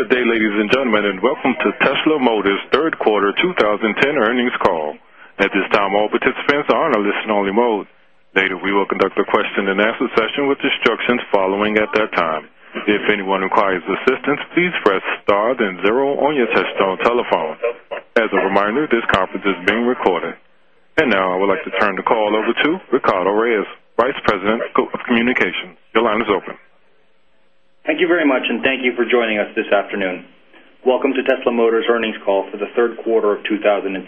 Good day, ladies and gentlemen, and welcome to Tesla Motors' third quarter 2010 earnings call. Now, I would like to turn the call over to Ricardo Reyes, Vice President, Global Communications. Your line is open. Thank you very much, thank you for joining us this afternoon. Welcome to Tesla Motors' earnings call for the third quarter of 2010.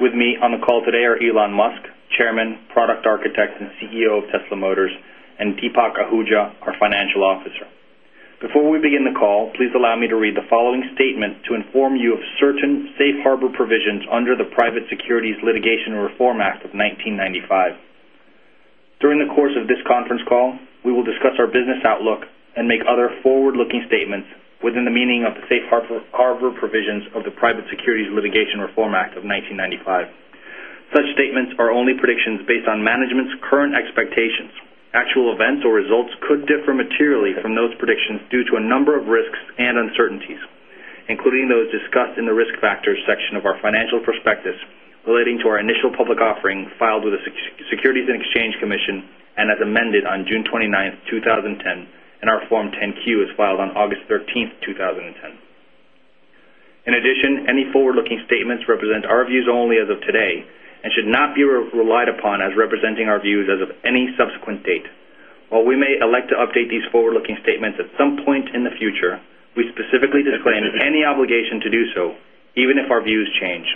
With me on the call today are Elon Musk, Chairman, Product Architect, and CEO of Tesla Motors, and Deepak Ahuja, our Financial Officer. Before we begin the call, please allow me to read the following statement to inform you of certain safe harbor provisions under the Private Securities Litigation Reform Act of 1995. During the course of this conference call, we will discuss our business outlook and make other forward-looking statements within the meaning of the safe harbor provisions of the Private Securities Litigation Reform Act of 1995. Such statements are only predictions based on management's current expectations. Actual events or results could differ materially from those predictions due to a number of risks and uncertainties, including those discussed in the Risk Factors section of our financial prospectus relating to our initial public offering filed with the Securities and Exchange Commission and as amended on June 29, 2010, and our Form 10-Q, as filed on August 13, 2010. In addition, any forward-looking statements represent our views only as of today and should not be relied upon as representing our views as of any subsequent date. While we may elect to update these forward-looking statements at some point in the future, we specifically disclaim any obligation to do so, even if our views change.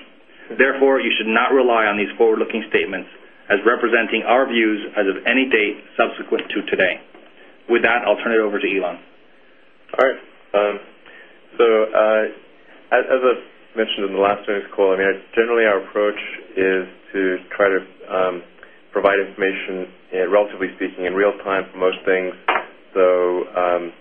Therefore, you should not rely on these forward-looking statements as representing our views as of any date subsequent to today. With that, I'll turn it over to Elon. All right. As I mentioned in the last earnings call, I mean, generally our approach is to try to provide information, relatively speaking, in real time for most things. That the quarterly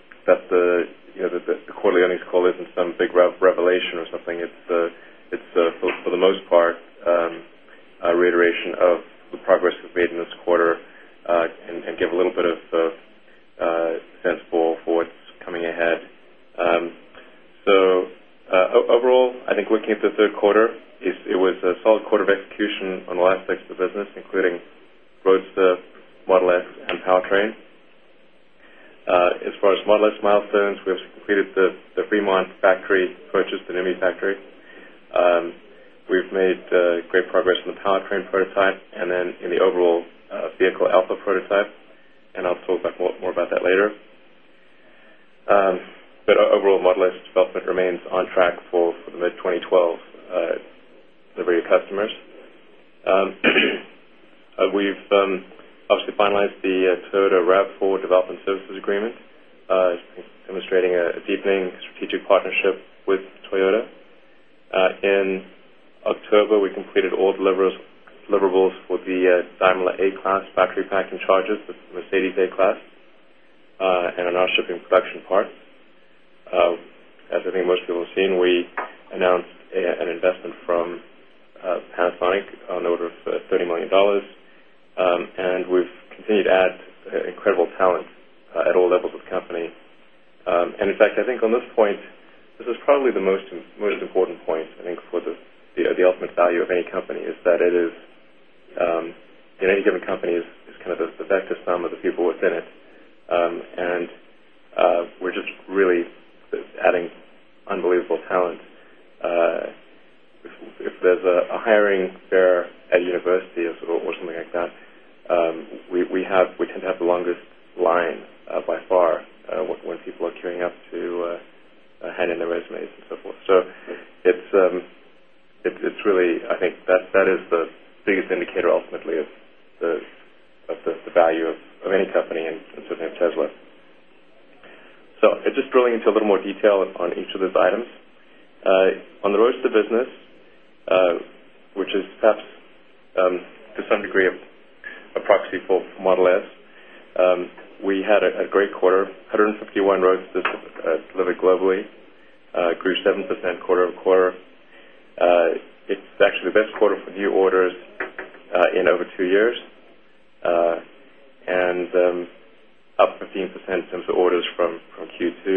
Up 15% in terms of orders from Q2.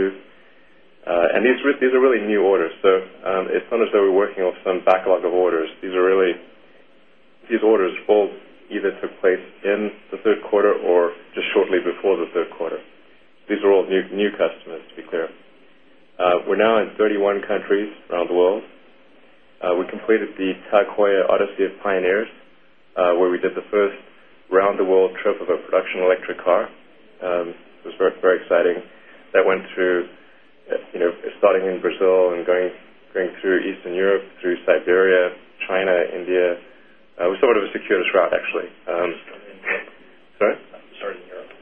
These are really new orders. It's not as though we're working off some backlog of orders. These orders all either took place in the third quarter or just shortly before the third quarter. These are all new customers, to be clear. We're now in 31 countries around the world. We completed the Odyssey of Pioneers, where we did the first round-the-world trip of a production electric car. It was very, very exciting. That went through, you know, starting in Brazil and going through Eastern Europe, through Siberia, China, India. We sort of took the shortest route, actually. Starting in Europe. Sorry? Starting in Europe.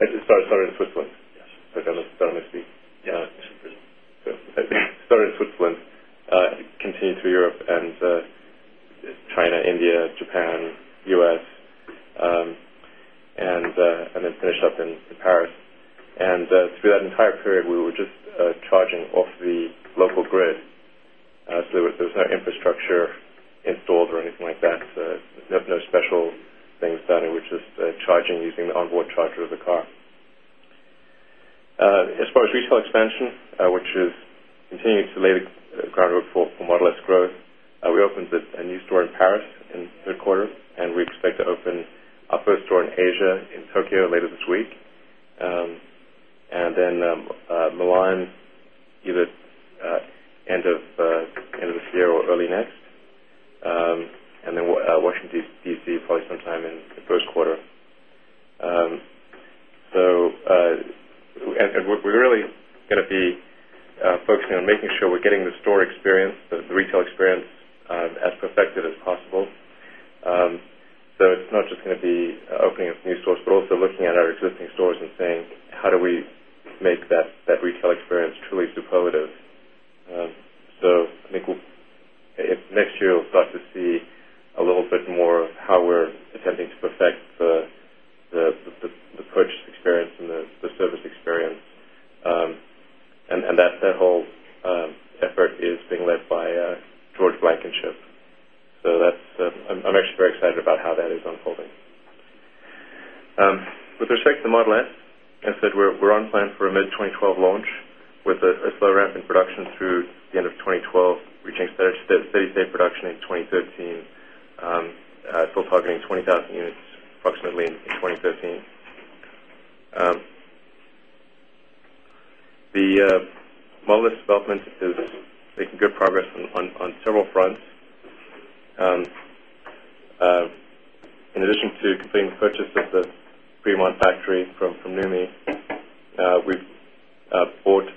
It started in Switzerland. Yes. Sorry, I'm starting to speak. Yeah. It started in Switzerland. Started in Switzerland, continued through Europe, China, India, Japan, U.S., then finished up in Paris. Through that entire period, we were just charging off the local grid. There was no infrastructure installed or anything like that. There's no special things done. It was just charging using the onboard charger of the car. As far as retail expansion, which is continuing to lay the groundwork for Model S growth, we opened a new store in Paris in third quarter, and we expect to open our first store in Asia, in Tokyo, later this week. Milan either end of this year or early next. Washington, D.C., probably sometime in the first quarter. We're really gonna be focusing on making sure we're getting the store experience, the retail experience as perfected as possible. It's not just gonna be opening up new stores, but also looking at our existing stores and saying, "How do we make that retail experience truly superlative?" I think next year, we'll start to see a little bit more of how we're attempting to perfect the purchase experience and the service experience. That whole effort is being led by George Blankenship. I'm actually very excited about how that is unfolding. With respect to Model S, as I said, we're on plan for a mid-2012 launch with a slow ramp in production through the end of 2012, reaching steady-state production in 2013. Still targeting 20,000 units approximately in 2013. The Model S development is making good progress on several fronts. In addition to completing the purchase of the Fremont factory from NUMMI, we've bought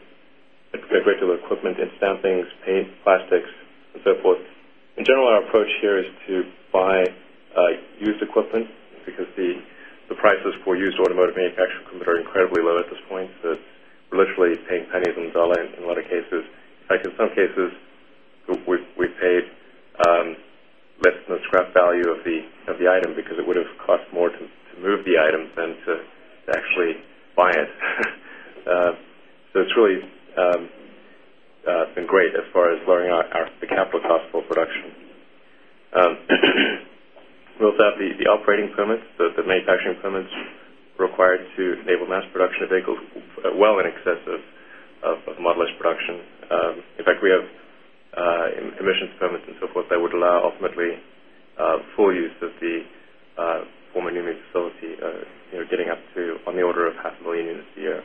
a great deal of equipment in stampings, paint, plastics, and so forth. In general, our approach here is to buy used equipment because the prices for used automotive manufacturing equipment are incredibly low at this point. We're literally paying pennies on the dollar in a lot of cases. In fact, in some cases, we paid less than the scrap value of the item because it would've cost more to move the item than to actually buy it. It's really been great as far as lowering our capital cost for production. We also have the operating permits, the manufacturing permits required to enable mass production of vehicles well in excess of Model S production. In fact, we have emissions permits and so forth that would allow ultimately full use of the former NUMMI facility, you know, getting up to on the order of 500,000 units a year,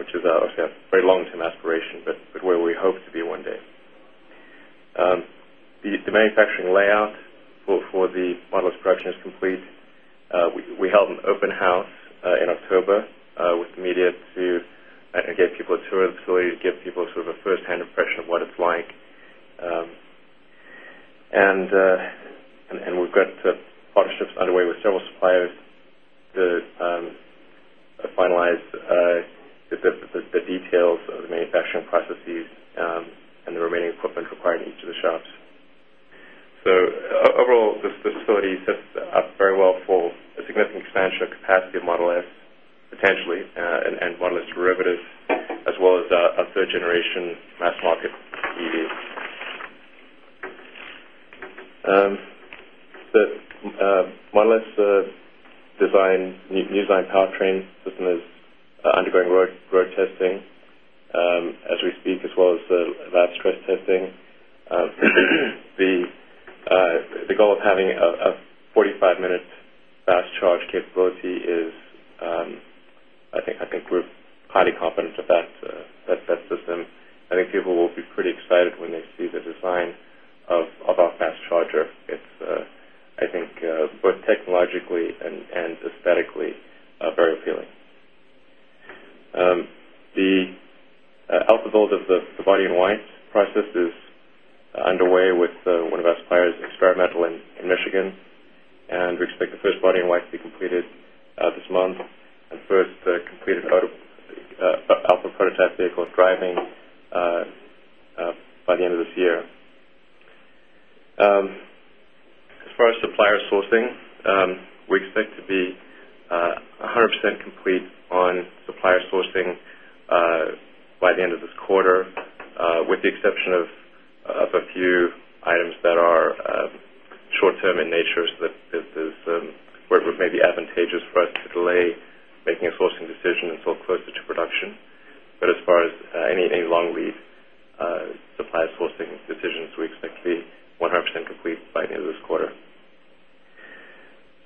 which is obviously a very long-term aspiration, but where we hope to be one day. The manufacturing layout for the Model S production is complete. We held an open house in October with the media to give people a tour of the facility, to give people sort of a firsthand impression of what it's like. We've got partnerships underway with several suppliers to finalize the details of the manufacturing processes and the remaining equipment required in each of the shops. Overall, this facility sets us up very well for a significant expansion of capacity of Model S potentially, and Model S derivatives, as well as a third-generation mass-market EV. The Model S new design powertrain system is undergoing road testing as we speak, as well as lab stress testing. The goal of having a 45 minute fast charge capability is I think we're highly confident of that system. I think people will be pretty excited when they see the design of our fast charger. It's I think both technologically and aesthetically very appealing. The alpha build of the body in white process is underway with one of our suppliers, [Exponent], in Michigan, and we expect the first body in white to be completed this month, and first completed alpha prototype vehicle driving by the end of this year. As far as supplier sourcing, we expect to be 100% complete on supplier sourcing by the end of this quarter, with the exception of a few items that are short-term in nature so that this is where it may be advantageous for us to delay making a sourcing decision until closer to production. As far as any long lead supplier sourcing decisions, we expect to be 100% complete by the end of this quarter.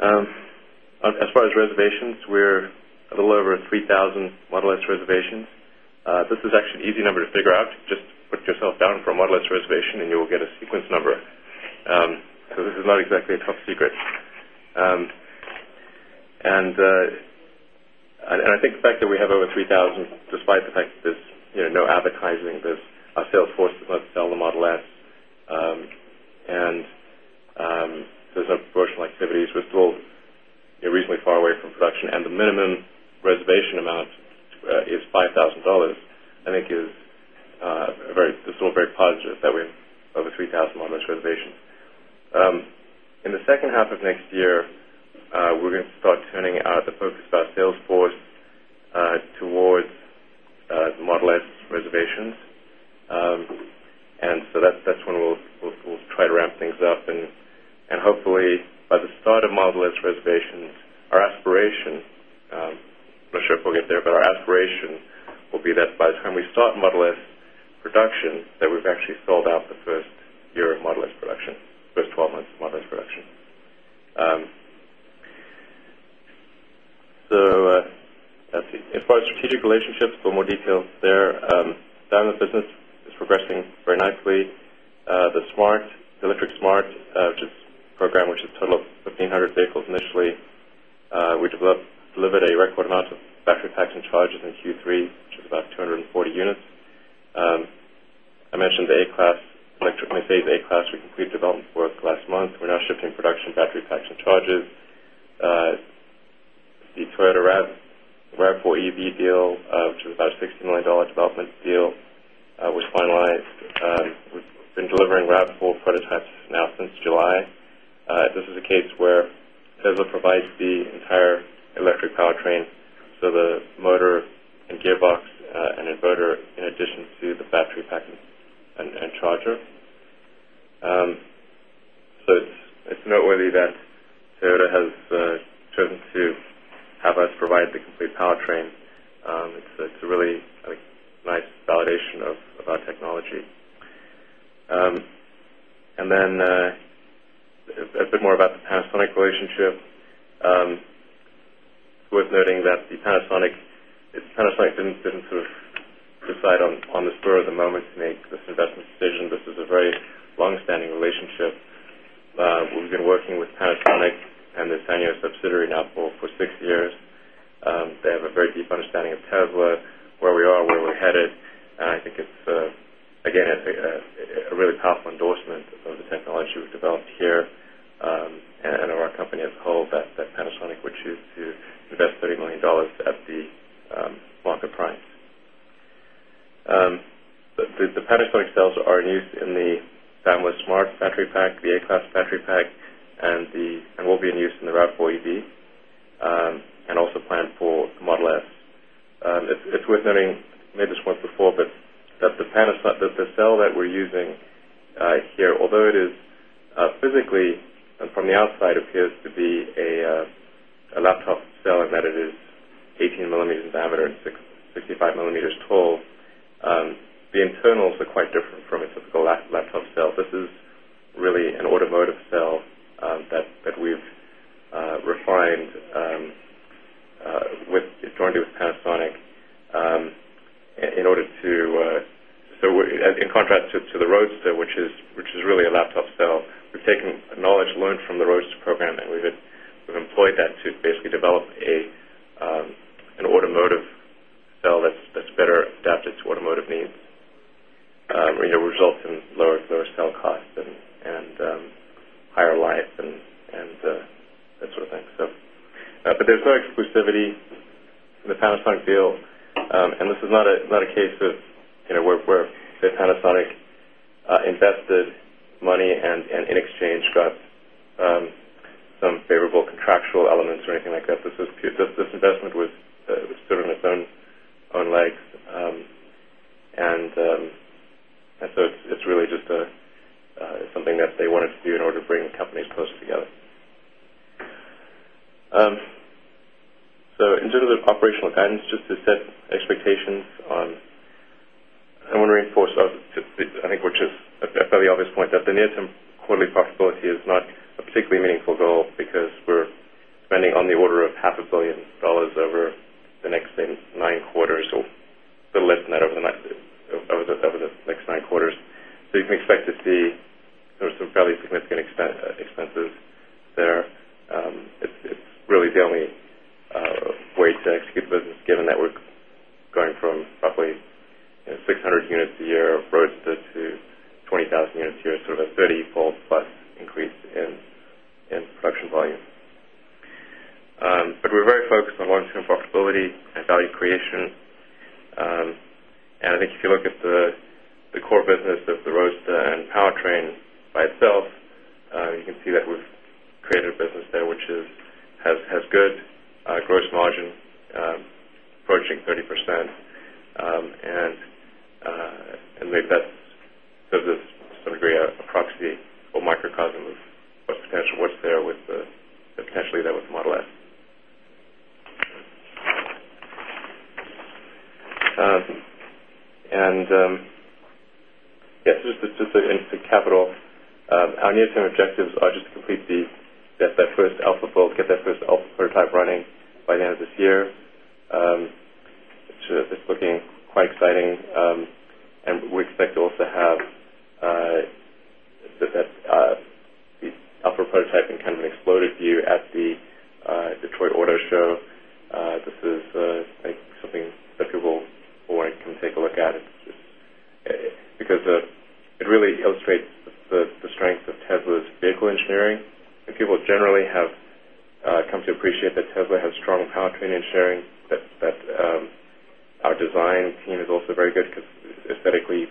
As far as reservations, we're a little over 3,000 Model S reservations. This is actually an easy number to figure out. Just put yourself down for a Model S reservation, and you will get a sequence number. This is not exactly a top secret. I think the fact that we have over 3,000 despite the fact that there's, you know, no advertising, there's a sales force that doesn't sell the Model S, and there's no promotional activities. We're still, you know, reasonably far away from production, and the minimum reservation amount is $5,000, I think this is all very positive that we have over 3,000 Model S reservations. In the second half of next year, we're gonna start turning the focus of our sales force towards the Model S reservations. That's when we'll try to ramp things up, and hopefully by the start of Model S reservations, our aspiration, I'm not sure if we'll get there, but our aspiration will be that by the time we start Model S production, that we've actually sold out the first year of Model S production, first 12 months of Model S production. Let's see. In far strategic relationships for more details there, Daimler business is progressing very nicely. The Smart, the electric Smart, which is a program which is a total of 1,500 vehicles initially. We delivered a record amount of battery packs and chargers in Q3, which is about 240 units. I mentioned the A-Class, [electric 28] A-Class. We completed development work last month. We're now shipping production battery packs and chargers. The Toyota RAV4 EV deal, which was about a $60 million development deal, was finalized. We've been delivering RAV4 prototypes now since July. This is a case where Tesla provides the entire electric powertrain, so the motor and gearbox, and inverter, in addition to the battery pack and charger. It's noteworthy that Toyota has chosen to have us provide the complete powertrain. It's a really, like, nice validation of our technology. A bit more about the Panasonic relationship. Worth noting that the Panasonic didn't sort of decide on the spur of the moment to make this investment decision. This is a very long-standing relationship. We've been working with Panasonic and their Sanyo subsidiary now for six years. They have a very deep understanding of Tesla, where we are, where we're headed. I think it's again a really powerful endorsement of the technology we've developed here and of our company as a whole that Panasonic would choose to invest $30 million at the market price. The Panasonic cells are in use in the [family Smart] battery pack, the A-Class battery pack, and will be in use in the RAV4 EV and also planned for the Model S. It's worth noting, I made this point before, but that the Panasonic cell that we're using here, although it is physically and from the outside appears to be a laptop cell and that it is 18 mm in diameter and 65 mm tall, the internals are quite different from a typical laptop cell. This is really an automotive cell that we've refined in joint with Panasonic. In contrast to the Roadster, which is really a laptop cell, we've taken knowledge learned from the Roadster program, and we've employed that to basically develop an automotive cell that's better adapted to automotive needs. You know, results in lower cell costs and higher life and that sort of thing. There's no exclusivity in the Panasonic deal. This is not a, not a case of, you know, where say Panasonic invested money and in exchange got some favorable contractual elements or anything like that. This investment was stood on its own legs. It's really just something that they wanted to do in order to bring the companies closer together. In terms of operational guidance, just to set expectations on, I want to reinforce, I think we're just at a fairly obvious point that the near-term quarterly profitability is not a particularly meaningful goal because we're spending on the order of $0.5 billion over the next nine quarters or little less than that over the next nine quarters. You can expect to see, the strength of Tesla's vehicle engineering. People generally have come to appreciate that Tesla has strong powertrain engineering, but our design team is also very good 'cause aesthetically.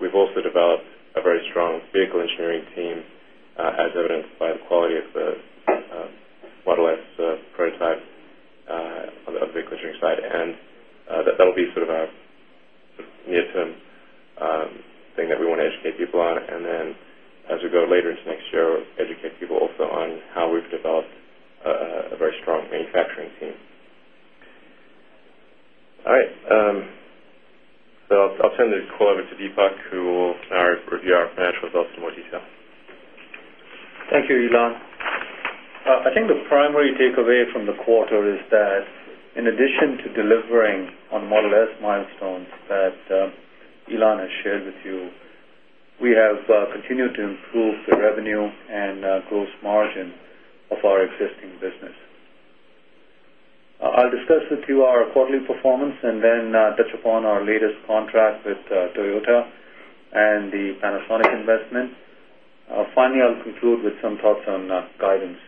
We've also developed a very strong vehicle engineering team, as evidenced by the quality of the Model S prototype on the vehicle engineering side. That'll be sort of our near-term thing that we wanna educate people on. As we go later into next year, educate people also on how we've developed a very strong manufacturing team. All right, I'll turn the call over to Deepak who will now review our financial results in more detail. Thank you, Elon. I think the primary takeaway from the quarter is that in addition to delivering on Model S milestones that Elon has shared with you, we have continued to improve the revenue and gross margin of our existing business. I'll discuss with you our quarterly performance and then touch upon our latest contract with Toyota and the Panasonic investment. Finally, I'll conclude with some thoughts on guidance.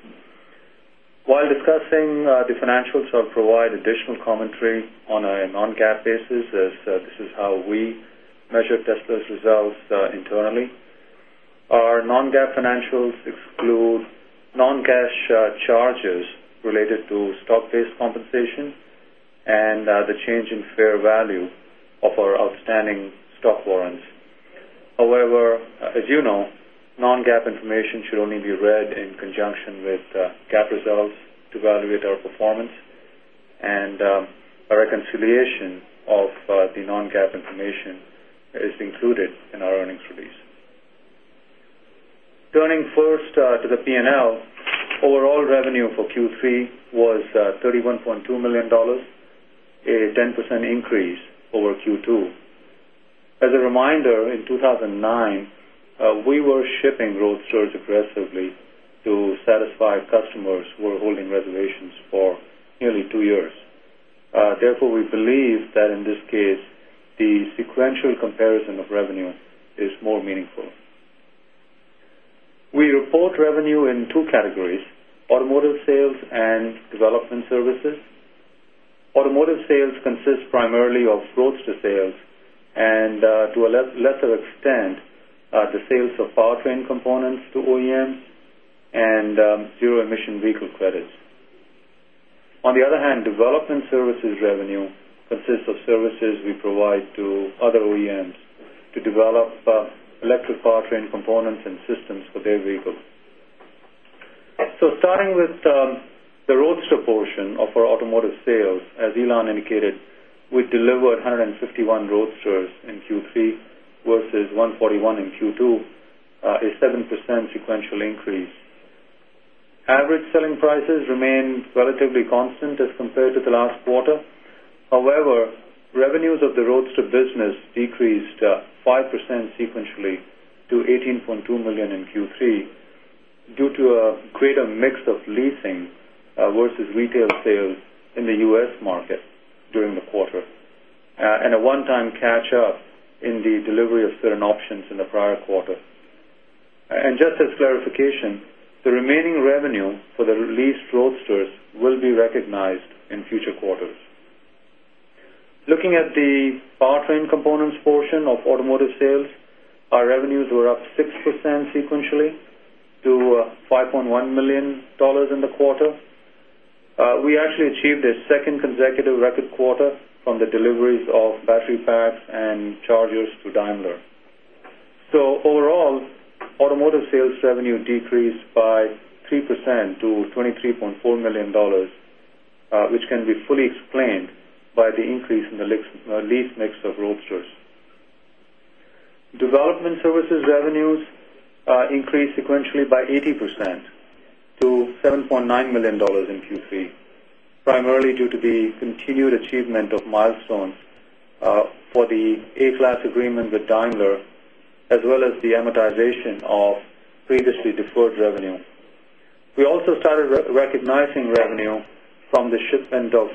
While discussing the financials, I'll provide additional commentary on a non-GAAP basis as this is how we measure Tesla's results internally. Our non-GAAP financials exclude non-cash charges related to stock-based compensation and the change in fair value of our outstanding stock warrants. However, as you know, non-GAAP information should only be read in conjunction with GAAP results to evaluate our performance. A reconciliation of the non-GAAP information is included in our earnings release. Turning first to the P&L, overall revenue for Q3 was $31.2 million, a 10% increase over Q2. As a reminder, in 2009, we were shipping Roadsters aggressively to satisfy customers who were holding reservations for nearly two years. Therefore, we believe that in this case, the sequential comparison of revenue is more meaningful. We report revenue in two categories, automotive sales and development services. Automotive sales consists primarily of Roadster sales and to a lesser extent, the sales of powertrain components to OEMs and zero-emission vehicle credits. On the other hand, development services revenue consists of services we provide to other OEMs to develop electric powertrain components and systems for their vehicles. Starting with the Roadster portion of our automotive sales, as Elon indicated, we delivered 151 Roadsters in Q3 versus 141 in Q2, a 7% sequential increase. Average selling prices remained relatively constant as compared to the last quarter. However, revenues of the Roadster business decreased 5% sequentially to $18.2 million in Q3 due to a greater mix of leasing versus retail sales in the U.S. market during the quarter and a one-time catch-up in the delivery of certain options in the prior quarter. Just as clarification, the remaining revenue for the leased Roadsters will be recognized in future quarters. Looking at the powertrain components portion of automotive sales, our revenues were up 6% sequentially to $5.1 million in the quarter. We actually achieved a second consecutive record quarter from the deliveries of battery packs and chargers to Daimler. Overall, automotive sales revenue decreased by 3% to $23.4 million, which can be fully explained by the increase in the lease mix of Roadsters. Development services revenues increased sequentially by 80% to $7.9 million in Q3, primarily due to the continued achievement of milestones for the A-Class agreement with Daimler as well as the amortization of previously deferred revenue. We also started re-recognizing revenue from the shipment of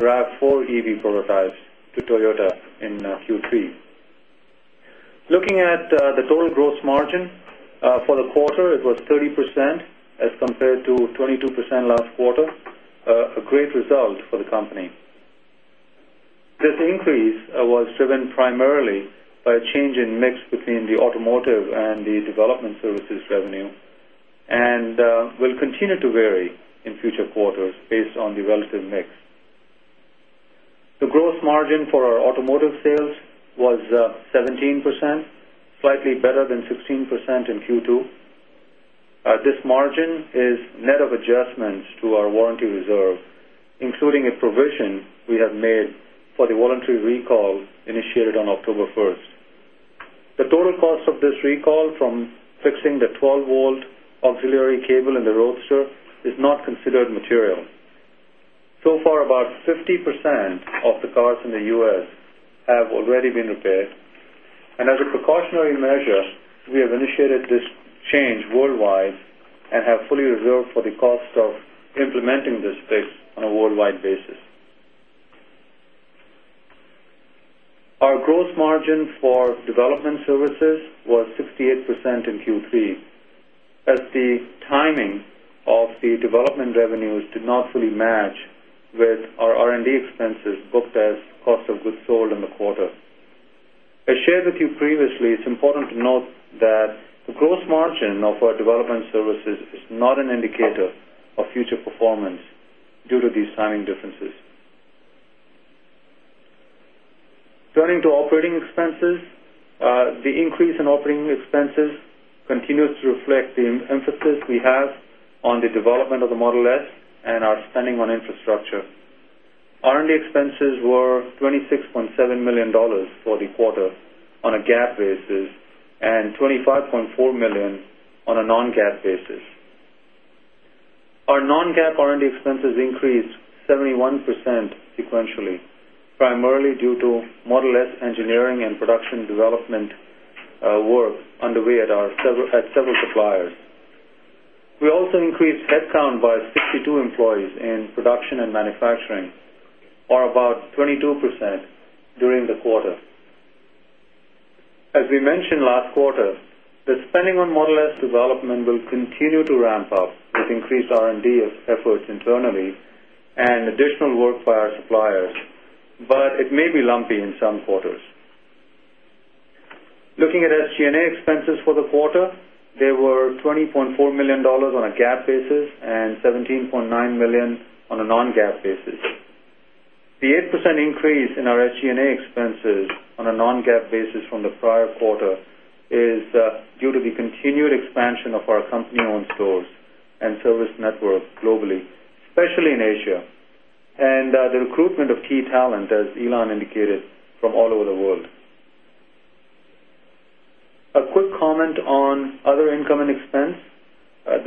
RAV4 EV prototypes to Toyota in Q3. Looking at the total gross margin for the quarter, it was 30% as compared to 22% last quarter, a great result for the company. This increase was driven primarily by a change in mix between the automotive and the development services revenue, and will continue to vary in future quarters based on the relative mix. The gross margin for our automotive sales was 17%, slightly better than 16% in Q2. This margin is net of adjustments to our warranty reserve, including a provision we have made for the voluntary recall initiated on October 1st. The total cost of this recall from fixing the 12-volt auxiliary cable in the Roadster is not considered material. So far, about 50% of the cars in the U.S. have already been repaired. As a precautionary measure, we have initiated this change worldwide and have fully reserved for the cost of implementing this fix on a worldwide basis. Our gross margin for development services was 68% in Q3. The timing of the development revenues did not fully match with our R&D expenses booked as cost of goods sold in the quarter. I shared with you previously, it's important to note that the gross margin of our development services is not an indicator of future performance due to these timing differences. Turning to operating expenses, the increase in operating expenses continues to reflect the emphasis we have on the development of the Model S and our spending on infrastructure. R&D expenses were $26.7 million for the quarter on a GAAP basis, and $25.4 million on a non-GAAP basis. Our non-GAAP R&D expenses increased 71% sequentially, primarily due to Model S engineering and production development, work underway at several suppliers. We also increased headcount by 62 employees in production and manufacturing, or about 22% during the quarter. As we mentioned last quarter, the spending on Model S development will continue to ramp up with increased R&D efforts internally and additional work by our suppliers, but it may be lumpy in some quarters. Looking at SG&A expenses for the quarter, they were $20.4 million on a GAAP basis and $17.9 million on a non-GAAP basis. The 8% increase in our SG&A expenses on a non-GAAP basis from the prior quarter is due to the continued expansion of our company-owned stores and service network globally, especially in Asia, and the recruitment of key talent, as Elon indicated, from all over the world. A quick comment on other income and expense.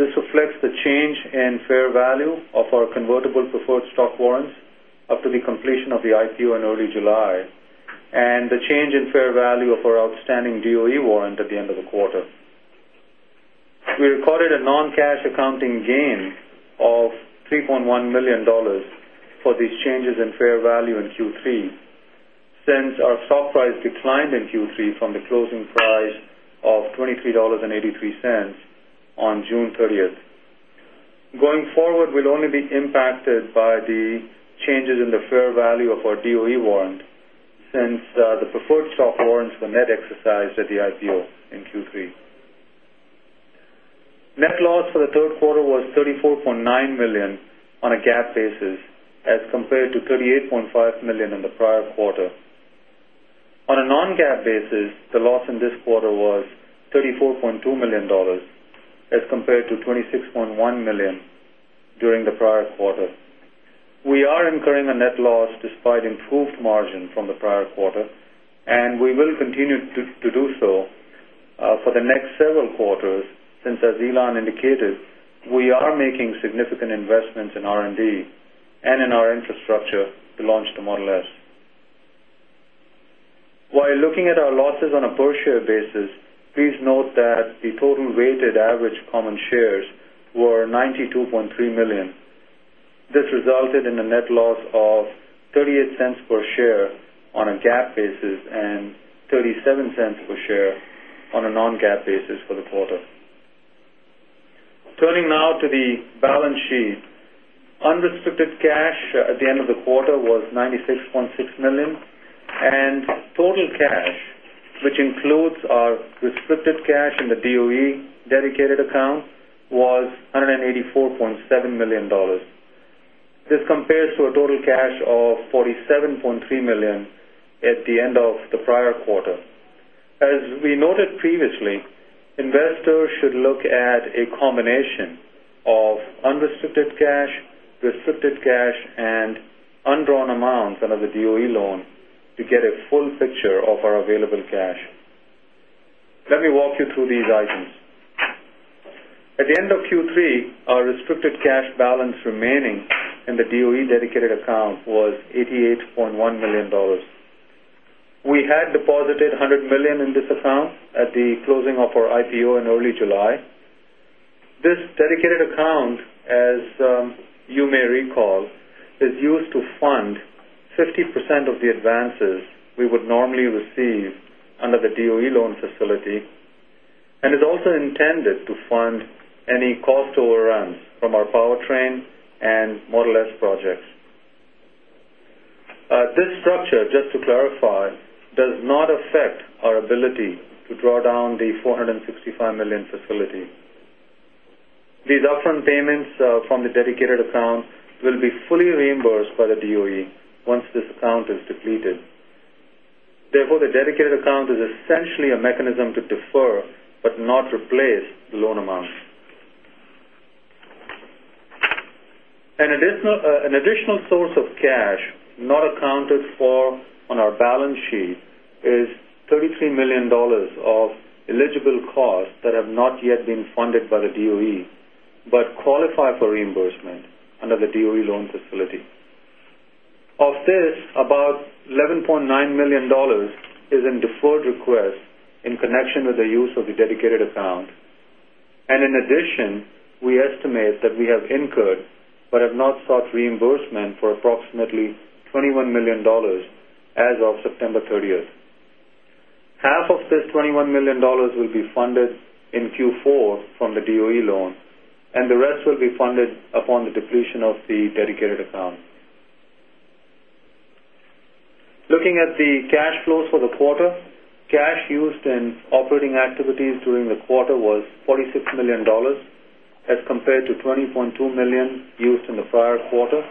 This reflects the change in fair value of our convertible preferred stock warrants up to the completion of the IPO in early July and the change in fair value of our outstanding DOE warrant at the end of the quarter. We recorded a non-cash accounting gain of $3.1 million for these changes in fair value in Q3 since our stock price declined in Q3 from the closing price of $23.83 on June 30th. Going forward, we'll only be impacted by the changes in the fair value of our DOE warrant since the preferred stock warrants were net exercised at the IPO in Q3. Net loss for the third quarter was $34.9 million on a GAAP basis, as compared to $38.5 million in the prior quarter. On a non-GAAP basis, the loss in this quarter was $34.2 million, as compared to $26.1 million during the prior quarter. We are incurring a net loss despite improved margin from the prior quarter, and we will continue to do so for the next several quarters since, as Elon indicated, we are making significant investments in R&D and in our infrastructure to launch the Model S. While looking at our losses on a per-share basis, please note that the total weighted average common shares were 92.3 million. This resulted in a net loss of $0.38 per share on a GAAP basis and $0.37 per share on a non-GAAP basis for the quarter. Turning now to the balance sheet. Unrestricted cash at the end of the quarter was $96.6 million, and total cash, which includes our restricted cash in the DOE dedicated account, was $184.7 million. This compares to a total cash of $47.3 million at the end of the prior quarter. As we noted previously, investors should look at a combination of unrestricted cash, restricted cash, and undrawn amounts under the DOE loan to get a full picture of our available cash. Let me walk you through these items. At the end of Q3, our restricted cash balance remaining in the DOE dedicated account was $88.1 million. We had deposited $100 million in this account at the closing of our IPO in early July. This dedicated account, as you may recall, is used to fund 50% of the advances we would normally receive under the DOE loan facility and is also intended to fund any cost overruns from our powertrain and Model S projects. This structure, just to clarify, does not affect our ability to draw down the $465 million facility. These upfront payments from the dedicated account will be fully reimbursed by the DOE once this account is depleted. The dedicated account is essentially a mechanism to defer but not replace the loan amount. An additional source of cash not accounted for on our balance sheet is $33 million of eligible costs that have not yet been funded by the DOE but qualify for reimbursement under the DOE loan facility. Of this, about $11.9 million is in deferred requests in connection with the use of the dedicated account. In addition, we estimate that we have incurred but have not sought reimbursement for approximately $21 million as of September 30th. Half of this $21 million will be funded in Q4 from the DOE loan, and the rest will be funded upon the depletion of the dedicated account. Looking at the cash flows for the quarter, cash used in operating activities during the quarter was $46 million as compared to $20.2 million used in the prior quarter.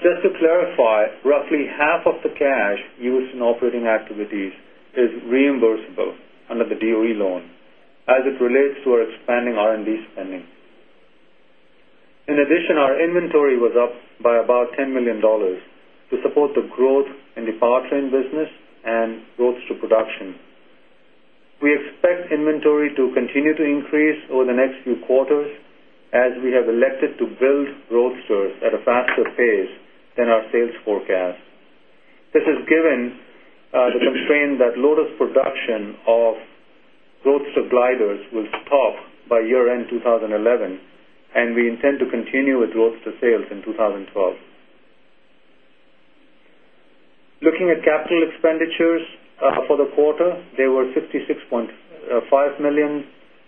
Just to clarify, roughly half of the cash used in operating activities is reimbursable under the DOE loan as it relates to our expanding R&D spending. In addition, our inventory was up by about $10 million to support the growth in the powertrain business and Roadsters production. We expect inventory to continue to increase over the next few quarters as we have elected to build Roadsters at a faster pace than our sales forecast. This is given the constraint that Lotus production of Roadster gliders will stop by year-end 2011, and we intend to continue with Roadster sales in 2012. Looking at capital expenditures for the quarter, they were $66.5 million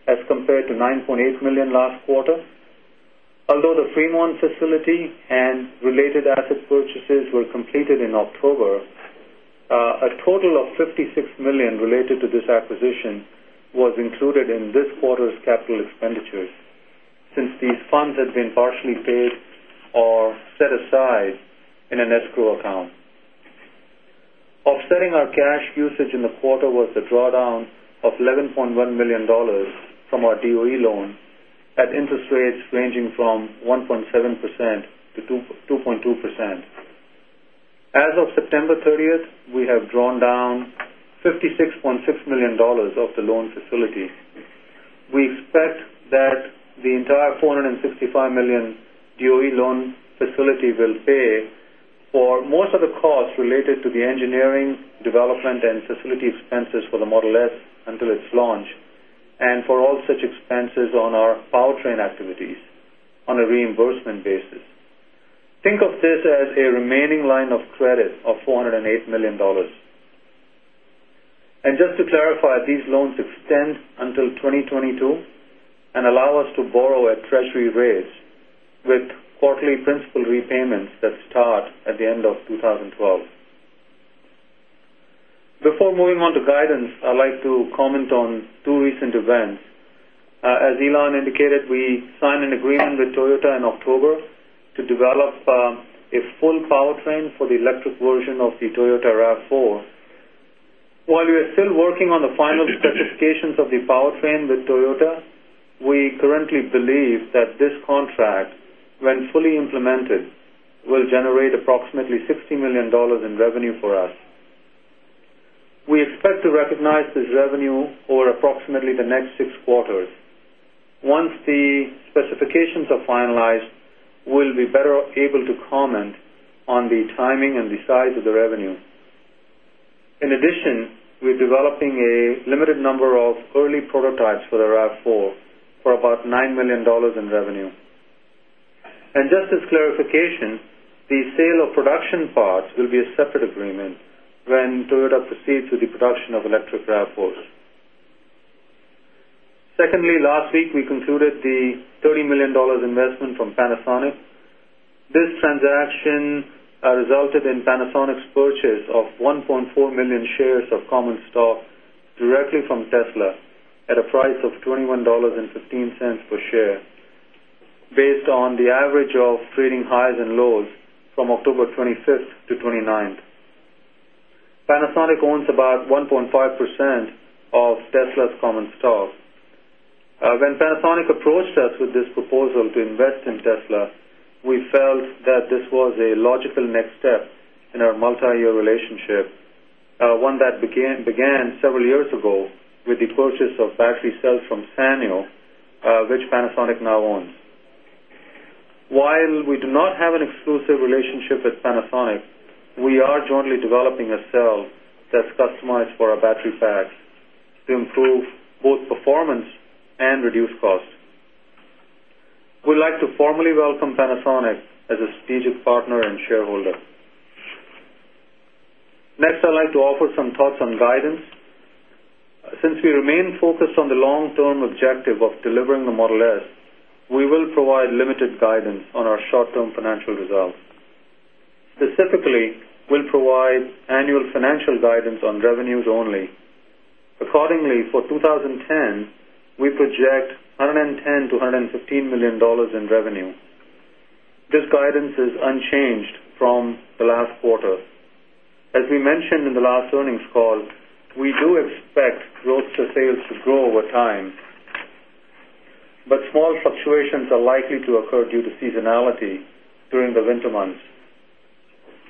as compared to $9.8 million last quarter. Although the Fremont facility and related asset purchases were completed in October, a total of $56 million related to this acquisition was included in this quarter's capital expenditures since these funds had been partially paid or set aside in an escrow account. Offsetting our cash usage in the quarter was the drawdown of $11.1 million from our DOE loan at interest rates ranging from 1.7%-2.2%. As of September 30th, we have drawn down $56.6 million of the loan facility. We expect that the entire $465 million DOE loan facility will pay for most of the costs related to the engineering, development, and facility expenses for the Model S until its launch, and for all such expenses on our powertrain activities on a reimbursement basis. Think of this as a remaining line of credit of $408 million. Just to clarify, these loans extend until 2022 and allow us to borrow at Treasury rates with quarterly principal repayments that start at the end of 2012. Before moving on to guidance, I'd like to comment on two recent events. As Elon indicated, we signed an agreement with Toyota in October to develop a full powertrain for the electric version of the Toyota RAV4. While we are still working on the final specifications of the powertrain with Toyota, we currently believe that this contract, when fully implemented, will generate approximately $60 million in revenue for us. We expect to recognize this revenue over approximately the next six quarters. Once the specifications are finalized, we'll be better able to comment on the timing and the size of the revenue. In addition, we're developing a limited number of early prototypes for the RAV4 for about $9 million in revenue. Just as clarification, the sale of production parts will be a separate agreement when Toyota proceeds with the production of electric RAV4s. Secondly, last week we concluded the $30 million investment from Panasonic. This transaction resulted in Panasonic's purchase of 1.4 million shares of common stock directly from Tesla at a price of $21.15 per share based on the average of trading highs and lows from October 25th to 29th. Panasonic owns about 1.5% of Tesla's common stock. When Panasonic approached us with this proposal to invest in Tesla, we felt that this was a logical next step in our multi-year relationship, one that began several years ago with the purchase of battery cells from Sanyo, which Panasonic now owns. While we do not have an exclusive relationship with Panasonic, we are jointly developing a cell that's customized for our battery packs to improve both performance and reduce costs. We'd like to formally welcome Panasonic as a strategic partner and shareholder. I'd like to offer some thoughts on guidance. Since we remain focused on the long-term objective of delivering the Model S, we will provide limited guidance on our short-term financial results. Specifically, we'll provide annual financial guidance on revenues only. For 2010, we project $110 million-$115 million in revenue. This guidance is unchanged from the last quarter. As we mentioned in the last earnings call, we do expect Roadster sales to grow over time, but small fluctuations are likely to occur due to seasonality during the winter months.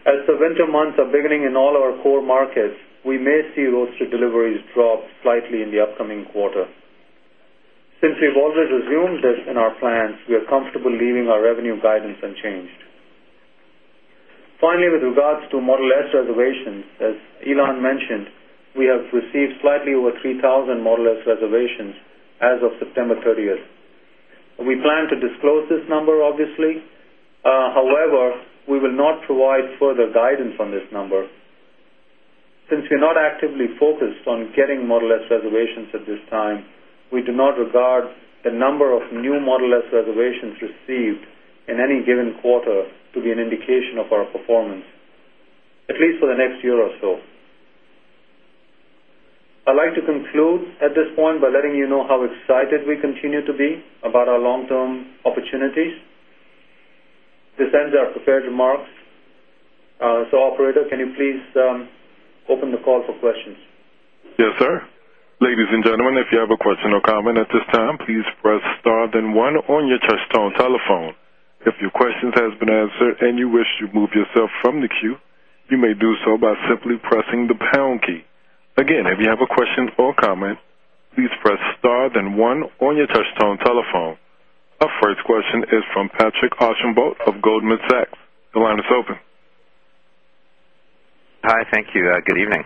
As the winter months are beginning in all our core markets, we may see Roadster deliveries drop slightly in the upcoming quarter. Since we've already assumed this in our plans, we are comfortable leaving our revenue guidance unchanged. With regards to Model S reservations, as Elon mentioned, we have received slightly over 3,000 Model S reservations as of September 30th. We plan to disclose this number, obviously. We will not provide further guidance on this number. Since we're not actively focused on getting Model S reservations at this time, we do not regard the number of new Model S reservations received in any given quarter to be an indication of our performance, at least for the next year or so. I'd like to conclude at this point by letting you know how excited we continue to be about our long-term opportunities. This ends our prepared remarks. Operator, can you please open the call for questions? Yes Sir. Ladies and gentlemen, If you have a question or comment. Please press star then one your telephone. Our first question is from Patrick Archambault of Goldman Sachs. The line is open. Hi. Thank you. Good evening.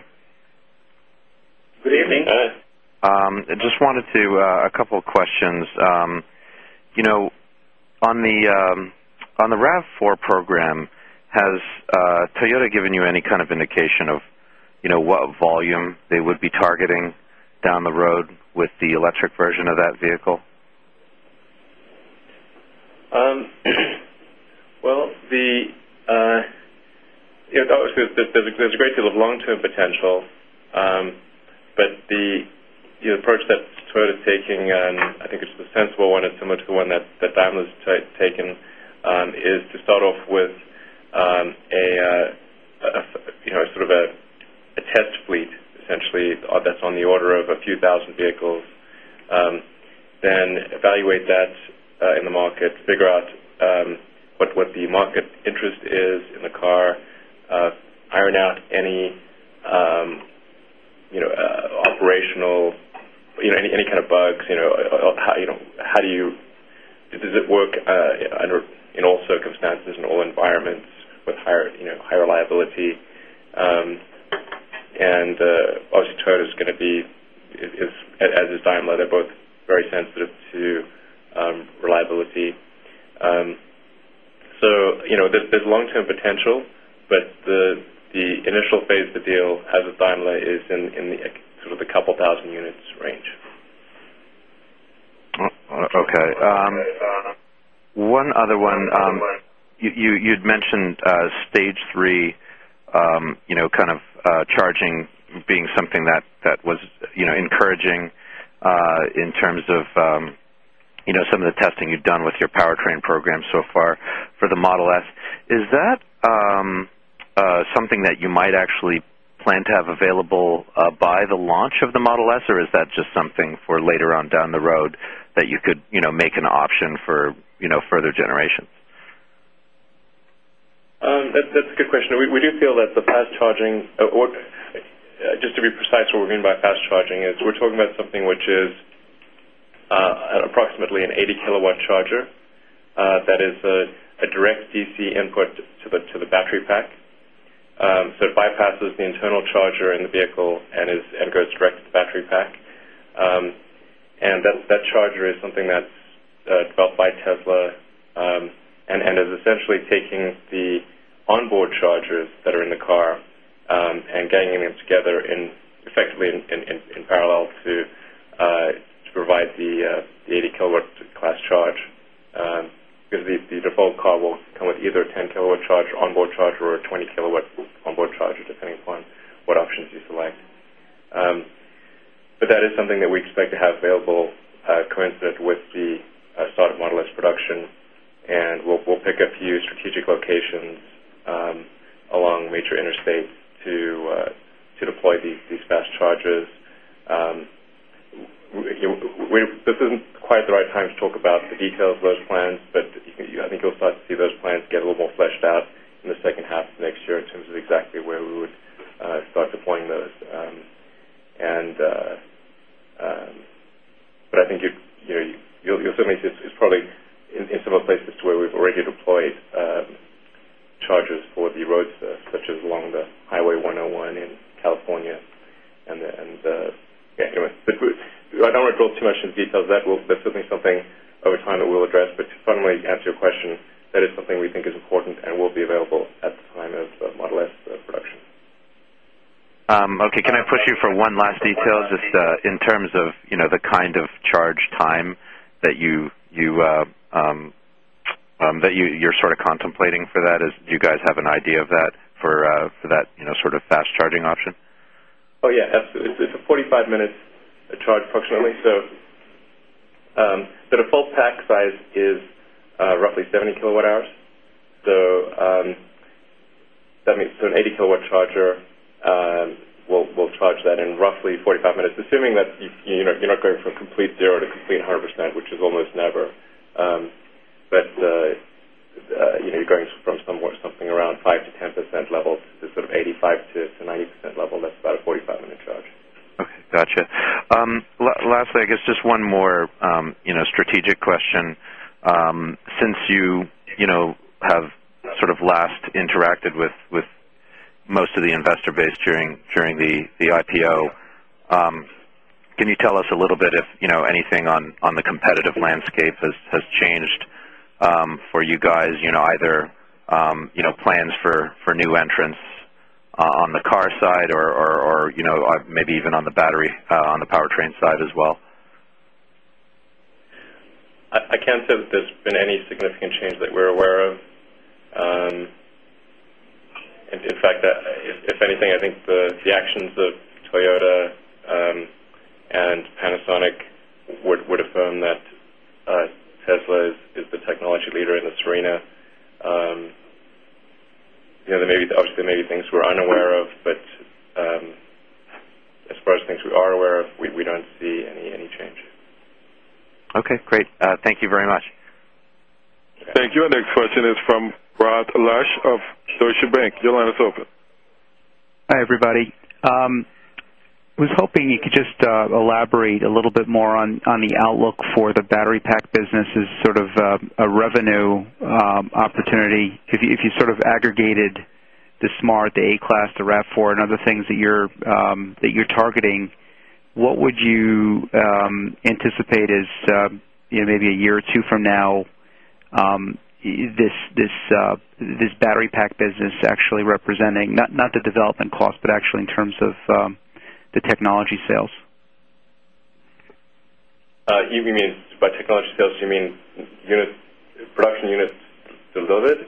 Good evening. Hi. I just wanted to. A couple of questions. You know, on the RAV4 program, has Toyota given you any kind of indication of, you know, what volume they would be targeting down the road with the electric version of that vehicle? You know, obviously, there's a great deal of long-term potential. The approach that Toyota's taking, and I think it's the sensible one and similar to the one that Daimler's taken, is to start off with a, you know, sort of a test fleet, essentially, that's on the order of a few thousand vehicles. Evaluate that in the market to figure out what the market interest is in the car, iron out any, you know, operational, you know, any kind of bugs. You know, how, you know, how do you Does it work under, in all circumstances, in all environments with higher, you know, higher liability? Obviously Toyota's gonna be, is, as is Daimler, they're both very sensitive to reliability. You know, there's long-term potential, but the initial phase of the deal, as with Daimler, is in the sort of the couple thousand units range. Okay. One other one. You'd mentioned stage three, you know, kind of charging being something that was, you know, encouraging in terms of, you know, some of the testing you've done with your powertrain program so far for the Model S. Is that something that you might actually plan to have available by the launch of the Model S? Or is that just something for later on down the road that you could, you know, make an option for, you know, further generations? That's a good question. We do feel that the fast charging, or just to be precise, what we mean by fast charging is we're talking about something which is approximately an 80 kW charger that is a direct DC input to the battery pack. It bypasses the internal charger in the vehicle and goes direct to the battery pack. That charger is something that's developed by Tesla and is essentially taking the onboard chargers that are in the car and ganging them together in effectively in parallel to provide the 80 kW class charge. The default car will come with either a 10 kW charger onboard charger or a 20 kW onboard charger, depending upon what options you select. That is something that we expect to have available coincident with the start of Model S production, and we'll pick a few strategic locations along major interstates to deploy these fast chargers. This isn't quite the right time to talk about the details of those plans, but you can, I think you'll start to see those plans get a little more fleshed out in the second half of next year in terms of exactly where we would start deploying those. I think you know, you'll certainly see it's probably in similar places to where we've already deployed chargers for the Roadster, such as along the Highway 101 in California. I don't wanna go too much into details of that. We'll, that's certainly something over time that we'll address. To finally answer your question, that is something we think is important and will be available at the time of Model S production. Okay. Can I push you for one last detail just in terms of, you know, the kind of charge time that you're sort of contemplating for that? Do you guys have an idea of that for that, you know, sort of fast charging option? Yeah, absolutely. It's a 45 minute charge approximately. The default pack size is roughly 70 kWh. That means an 80 kW charger will charge that in roughly 45 minutes, assuming that you know, you're not going from complete zero to complete 100%, which is almost never. You know, you're going from somewhere, something around 5%-10% level to sort of 85%-90% level. That's about a 45 minute charge. Okay. Gotcha. Lastly, I guess just one more, you know, strategic question. Since you know, have sort of last interacted with Most of the investor base during the IPO. Can you tell us a little bit if, you know, anything on the competitive landscape has changed for you guys, you know, either, you know, plans for new entrants on the car side or, you know, maybe even on the battery on the powertrain side as well? I can't say that there's been any significant change that we're aware of. In fact, if anything, I think the actions of Toyota and Panasonic would affirm that Tesla is the technology leader in this arena. You know, there may be, obviously there may be things we're unaware of, but as far as things we are aware of, we don't see any changes. Okay, great. Thank you very much. Thank you. Our next question is from Rod Lache of Deutsche Bank. Your line is open. Hi, everybody. Was hoping you could just elaborate a little bit more on the outlook for the battery pack business as sort of a revenue opportunity. If you sort of aggregated the Smart, the A-Class, the RAV4, and other things that you're that you're targeting, what would you anticipate as, you know, maybe one year or two from now, this battery pack business actually representing, not the development cost, but actually in terms of the technology sales? You mean, by technology sales you mean units, production units delivered?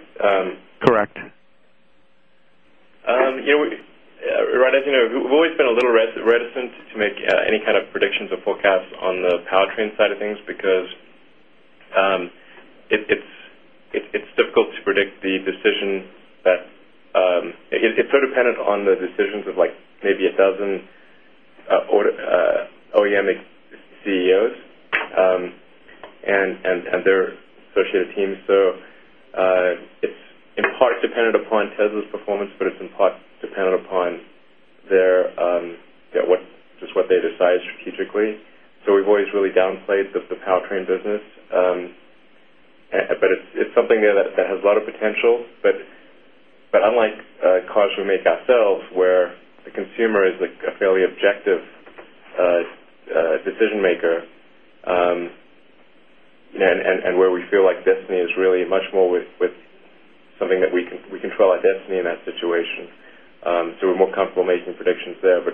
Correct. Rod, as you know, we've always been a little reticent to make any kind of predictions or forecasts on the powertrain side of things because it's so dependent on the decisions of like maybe 1,000 OEM CEOs and their associated teams. It's in part dependent upon Tesla's performance, but it's in part dependent upon their just what they decide strategically. We've always really downplayed the powertrain business. But it's something there that has a lot of potential. Unlike cars we make ourselves, where the consumer is like a fairly objective decision-maker, you know, and where we feel like destiny is really much more with something that we control our destiny in that situation, so we're more comfortable making predictions there.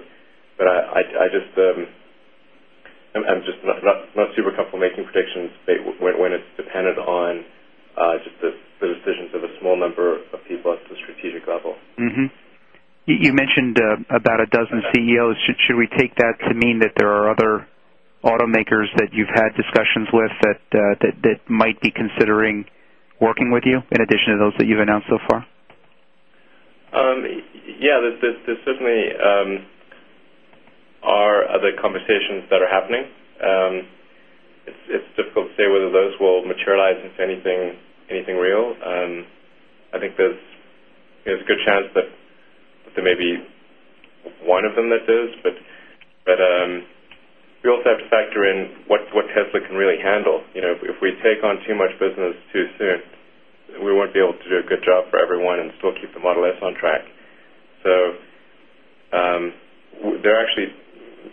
I'm just not super comfortable making predictions when it's dependent on just the decisions of a small number of people at the strategic level. You mentioned about a dozen CEOs. Should we take that to mean that there are other automakers that you've had discussions with that might be considering working with you in addition to those that you've announced so far? Yeah, there certainly are other conversations that are happening. It's difficult to say whether those will materialize into anything real. I think there's, you know, there's a good chance that there may be one of them that does, but we also have to factor in what Tesla can really handle. You know, if we take on too much business too soon, we won't be able to do a good job for everyone and still keep the Model S on track.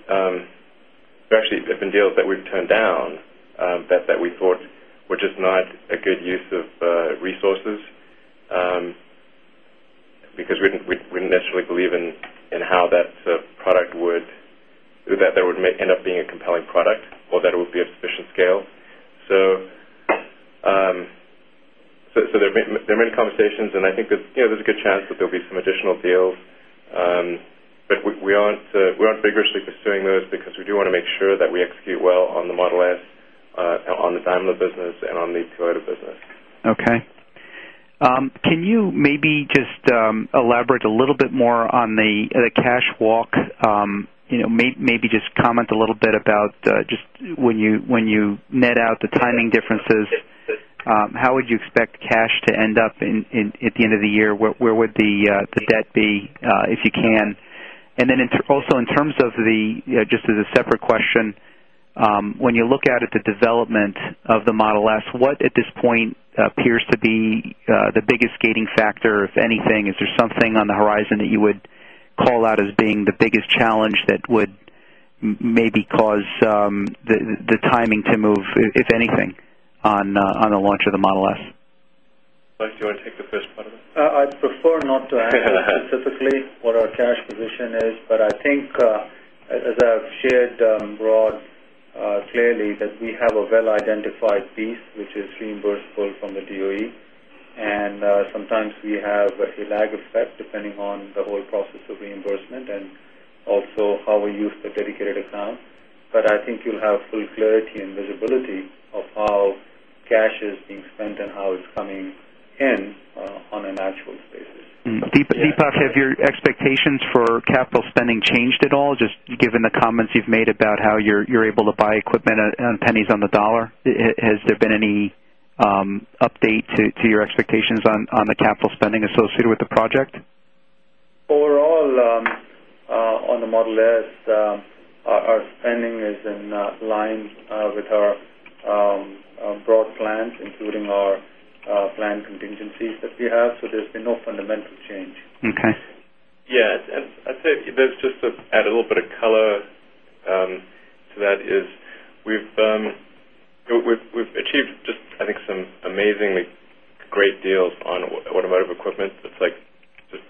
There actually have been deals that we've turned down, that we thought were just not a good use of resources, because we didn't necessarily believe in how that product would end up being a compelling product or that it would be of sufficient scale. There have been, there are many conversations and I think there's, you know, there's a good chance that there'll be some additional deals. We aren't vigorously pursuing those because we do wanna make sure that we execute well on the Model S, on the Daimler business and on the Toyota business. Okay. Can you maybe just elaborate a little bit more on the cash walk? You know, maybe just comment a little bit about just when you, when you net out the timing differences, how would you expect cash to end up at the end of the year? Where would the debt be, if you can? Also in terms of just as a separate question, when you look out at the development of the Model S, what at this point appears to be the biggest gating factor, if anything? Is there something on the horizon that you would call out as being the biggest challenge that would maybe cause the timing to move, if anything, on the launch of the Model S? Deepak, do you want to take the first part of it? I'd prefer not to answer specifically what our cash position is, but I think, as I've shared, Rod, clearly that we have a well-identified piece which is reimbursable from the DOE. Sometimes we have a lag effect depending on the whole process of reimbursement and also how we use the dedicated account. I think you'll have full clarity and visibility of how cash is being spent and how it's coming in on a natural basis. Deepak, have your expectations for capital spending changed at all, just given the comments you've made about how you're able to buy equipment at, on pennies on the dollar? Has there been any update to your expectations on the capital spending associated with the project? On the Model S, our spending is in line with our broad plans, including our planned contingencies that we have. There's been no fundamental change. Okay. Yeah. I'd say there's just to add a little bit of color to that is we've achieved just, I think, some amazingly great deals on automotive equipment that's like just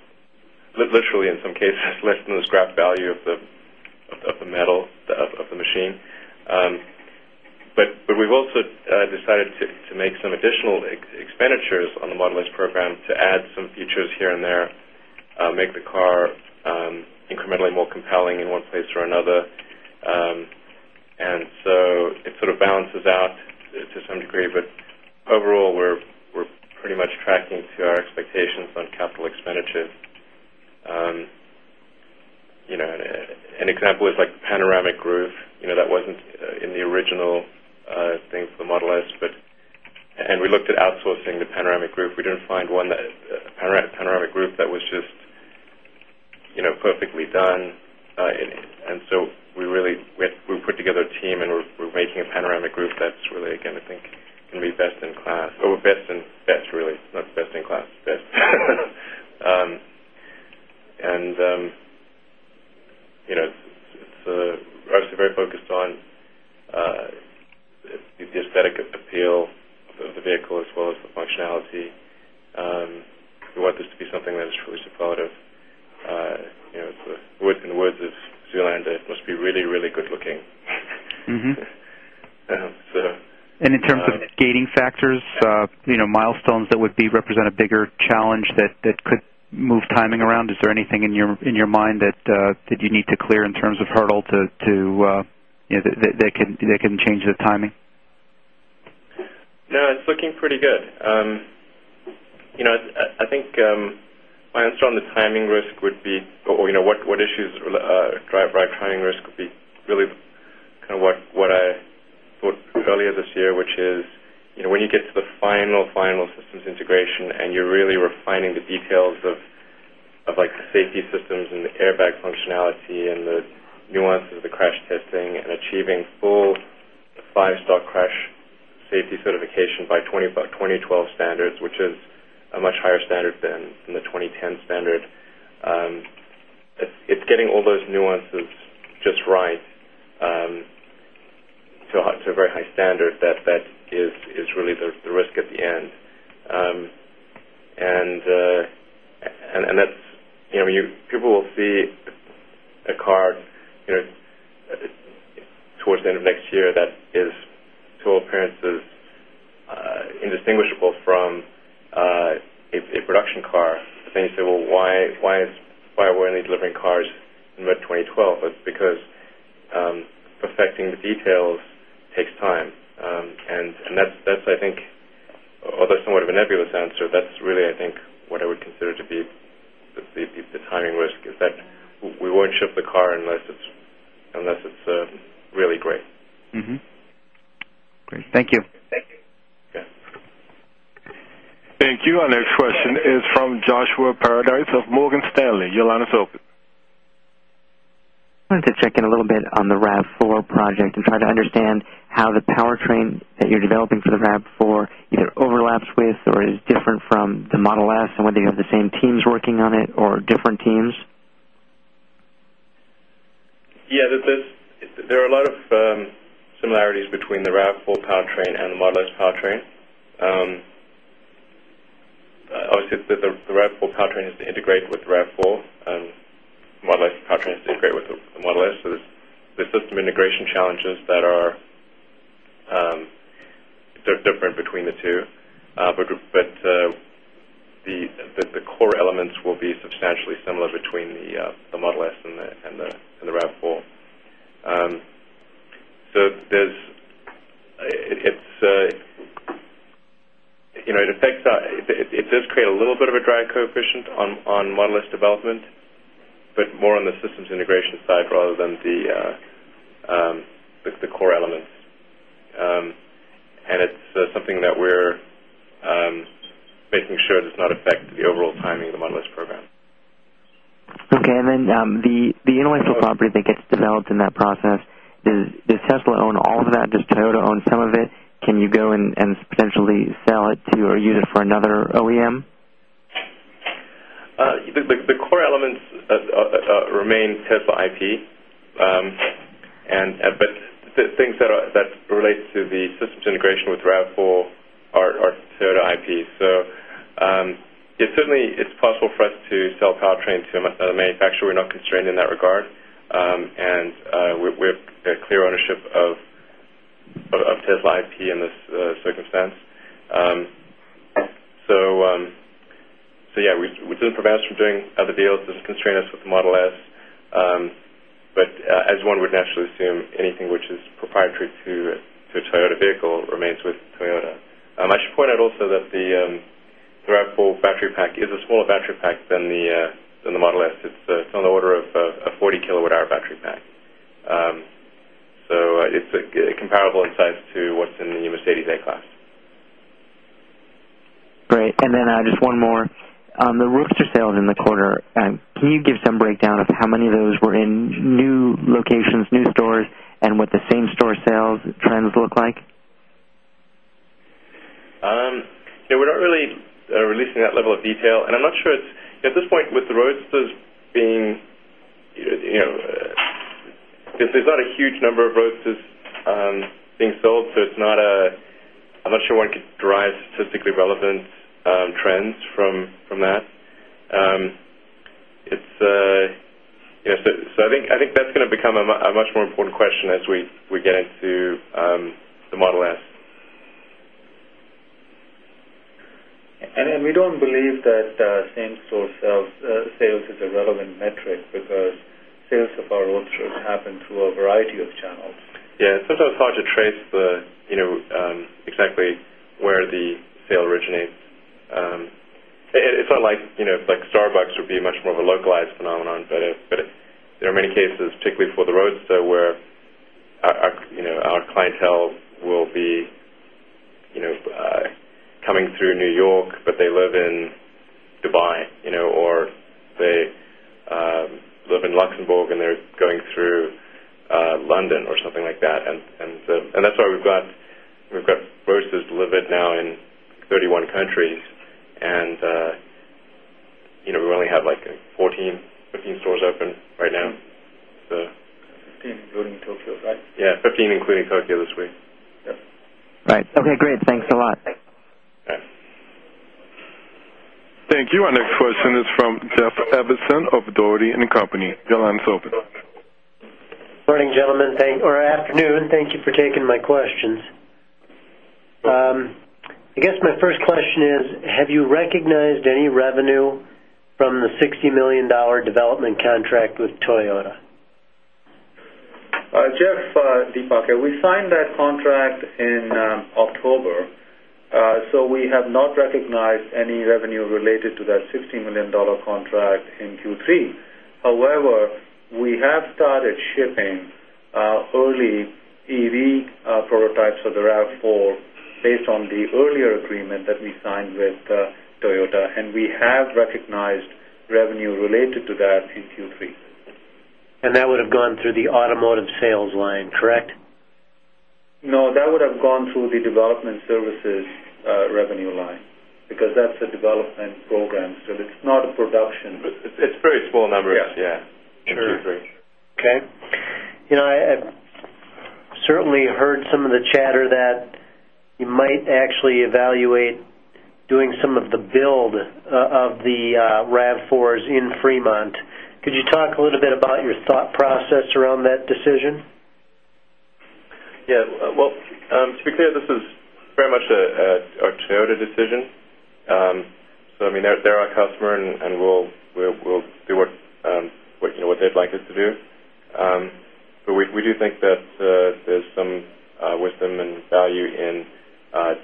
literally in some cases, less than the scrap value of the metal, of the machine. But we've also decided to make some additional expenditures on the Model S program to add some features here and there, make the car incrementally more compelling in one place or another. It sort of balances out to some degree, but overall, we're pretty much tracking to our expectations on capital expenditure. You know, an example is like Panoramic Roof. You know, that wasn't in the original things for Model S, but we looked at outsourcing the Panoramic Roof. We didn't find one that, a panoramic roof that was just, you know, perfectly done. We really put together a team and we're making a panoramic roof that's really, again, I think gonna be best in class or best in best really, not best in class, best. You know, it's obviously very focused on the aesthetic appeal of the vehicle as well as the functionality. We want this to be something that is truly supportive. You know, it's the, in the words of Zoolander, it must be really, really good looking. And so, um- In terms of gating factors, you know, milestones that would be represent a bigger challenge that could move timing around, is there anything in your mind that you need to clear in terms of hurdle to, you know, that can change the timing? No, it's looking pretty good. You know, I think, my answer on the timing risk would be or, you know, what issues, drive our timing risk would be really kind of what I put earlier this year, which is, you know, when you get to the final systems integration and you're really refining the details of like the safety systems and the airbag functionality and the nuances of the crash testing and achieving full five-star crash safety certification by 2012 standards, which is a much higher standard than the 2010 standard, it's getting all those nuances just right, to a very high standard that is really the risk at the end. That's, you know, people will see a car, you know, towards the end of next year that is to all appearances, indistinguishable from a production car. You say, "Well, why is, why weren't they delivering cars in about 2012?" It's because perfecting the details takes time. That's, that's I think, although somewhat of a nebulous answer, that's really I think what I would consider to be the timing risk is that we won't ship the car unless it's, unless it's really great. Mm-hmm. Great. Thank you. Thank you. Yeah. Thank you. Our next question is from Joshua Paradise of Morgan Stanley. Your line is open. Wanted to check in a little bit on the RAV4 project and try to understand how the powertrain that you're developing for the RAV4 either overlaps with or is different from the Model S and whether you have the same teams working on it or different teams? Yeah. There are a lot of similarities between the RAV4 powertrain and the Model S powertrain. Obviously, the RAV4 powertrain is integrated with RAV4, Model S powertrain is integrated with the Model S. There are system integration challenges that are different between the two. But the core elements will be substantially similar between the Model S and the RAV4. It does create a little bit of a drag coefficient on Model S development, but more on the systems integration side rather than the core elements. It's something that we're making sure does not affect the overall timing of the Model S program. Okay. The intellectual property that gets developed in that process, does Tesla own all of that? Does Toyota own some of it? Can you go and potentially sell it to or use it for another OEM? The, the core elements remain Tesla IP. The things that relate to the systems integration with RAV4 are Toyota IP. It certainly it's possible for us to sell powertrain to a manufacturer. We're not constrained in that regard. We have clear ownership of Tesla IP in this circumstance. Yeah, we didn't prevent us from doing other deals. Doesn't constrain us with the Model S. As one would naturally assume, anything which is proprietary to a Toyota vehicle remains with Toyota. I should point out also that the RAV4 battery pack is a smaller battery pack than the Model S. It's on the order of a 40 kWh battery pack. It's comparable in size to what's in the Mercedes A-Class. Just one more. On the Roadster sales in the quarter, can you give some breakdown of how many of those were in new locations, new stores, and what the same-store sales trends look like? Yeah, we're not really releasing that level of detail. I'm not sure it's at this point with the Roadsters being, you know, there's not a huge number of Roadsters being sold, so I'm not sure one could derive statistically relevant trends from that. It's, you know, so I think that's gonna become a much more important question as we get into the Model S. We don't believe that same-store sales is a relevant metric because sales of our Roadsters happen through a variety of channels. Yeah, it's also hard to trace the, you know, exactly where the sale originates. It's not like, you know, like Starbucks would be much more of a localized phenomenon, but it There are many cases, particularly for the Roadster, where our, you know, our clientele will be, you know, coming through New York, but they live in Dubai, you know, or they live in Luxembourg and they're going through London or something like that. That's why we've got Roadsters delivered now in 31 countries and, you know, we only have, like, 14, 15 stores open right now, so. 15 including Tokyo, right? Yeah, 15 including Tokyo this week. Yeah. Right. Okay, great. Thanks a lot. Yeah. Thank you. Our next question is from Jeff Evanson of Dougherty & Company. Your line's open. Morning, gentlemen. Afternoon. Thank you for taking my questions. I guess my first question is, have you recognized any revenue from the $60 million development contract with Toyota? Jeff, Deepak here. We signed that contract in October, so we have not recognized any revenue related to that $60 million contract in Q3. However, we have started shipping early EV prototypes of the RAV4 based on the earlier agreement that we signed with Toyota, and we have recognized revenue related to that in Q3. That would have gone through the automotive sales line, correct? No, that would have gone through the development services, revenue line because that's a development program, so it's not a production- It's very small numbers. Yeah. Yeah. Sure. It's very small. Okay. You know, I've certainly heard some of the chatter that you might actually evaluate doing some of the build of the RAV4s in Fremont. Could you talk a little bit about your thought process around that decision? Well, to be clear, this is very much a Toyota decision. I mean, they're our customer and we'll do what, you know, what they'd like us to do. We do think that there's some wisdom and value in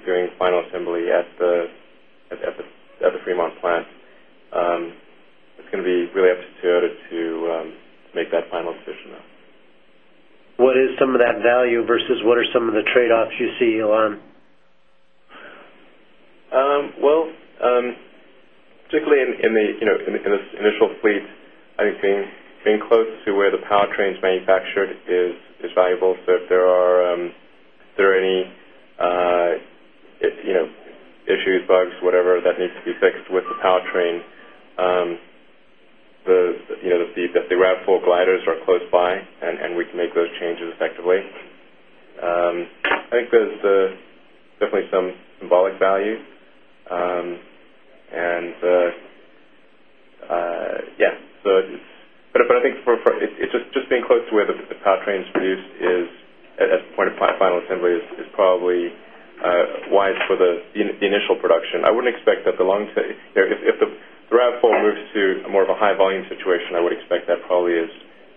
doing final assembly at the Fremont plant. It's gonna be really up to Toyota to make that final decision though. What is some of that value versus what are some of the trade-offs you see, Elon? Well, particularly in the, you know, in the initial fleet, I think being close to where the powertrain's manufactured is valuable. If there are any, you know, issues, bugs, whatever that needs to be fixed with the powertrain, the, you know, the RAV4 gliders are close by and we can make those changes effectively. I think there's definitely some symbolic value. Yeah, it's but I think for, it's just being close to where the powertrain's produced is, at the point of final assembly is probably wise for the initial production. I wouldn't expect that, you know, if the RAV4 moves to more of a high-volume situation, I would expect that probably is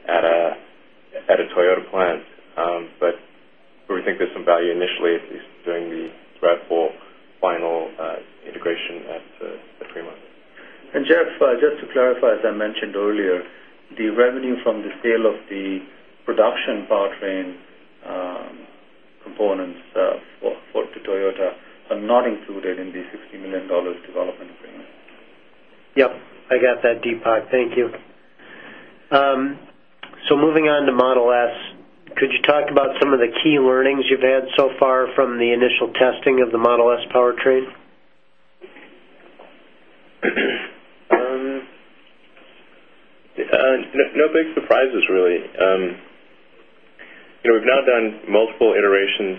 at a Toyota plant. We think there's some value initially at least doing the RAV4 final integration at the Fremont. Jeff, just to clarify, as I mentioned earlier, the revenue from the sale of the production powertrain components to Toyota are not included in the $60 million development agreement. Yep. I got that, Deepak. Thank you. Moving on to Model S, could you talk about some of the key learnings you've had so far from the initial testing of the Model S powertrain? No, no big surprises really. You know, we've now done multiple iterations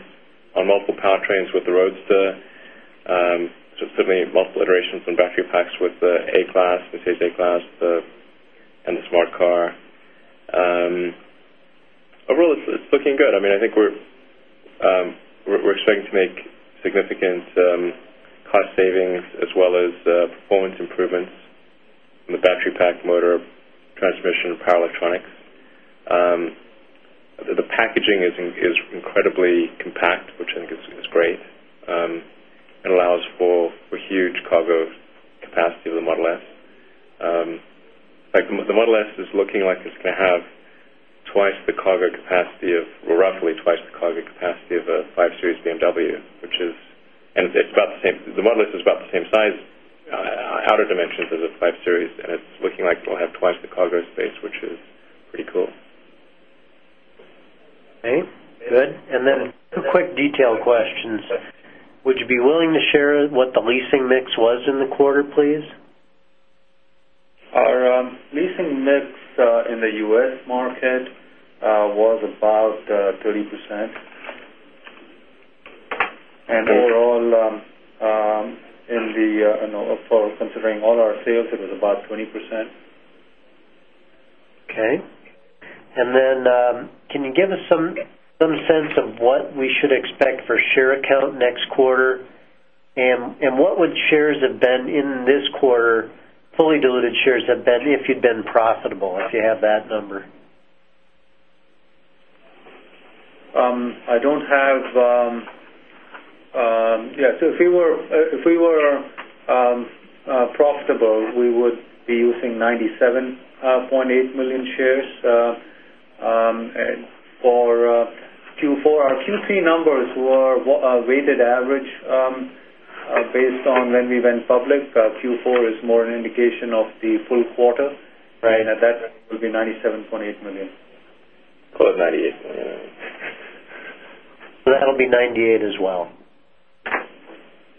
on multiple powertrains with the Tesla Roadster, so certainly multiple iterations on battery packs with the A-Class, Mercedes A-Class, and the Smart. Overall it's looking good. I mean, I think we're starting to make significant cost savings as well as performance improvements in the battery pack, motor, transmission, power electronics. The packaging is incredibly compact, which I think is great, and allows for huge cargo capacity of the Model S. Like, the Model S is looking like it's gonna have twice the cargo capacity of, well, roughly twice the cargo capacity of a 5 Series BMW, which is, and it's about the same. The Model S is about the same size, outer dimensions as a 5 Series, and it's looking like it'll have twice the cargo space, which is pretty cool. Okay, good. Two quick detail questions. Would you be willing to share what the leasing mix was in the quarter, please? Our leasing mix in the U.S. market was about 30%. Overall, in the, you know, for considering all our sales, it was about 20%. Okay. Can you give us some sense of what we should expect for share count next quarter? What would shares have been in this quarter, fully diluted shares have been if you'd been profitable, if you have that number? If we were profitable, we would be using 97.8 million shares. Q4. Our Q3 numbers were a weighted average, based on when we went public. Q4 is more an indication of the full quarter. Right. At that, it will be $97.8 million. Call it $98 million. That'll be 98 as well.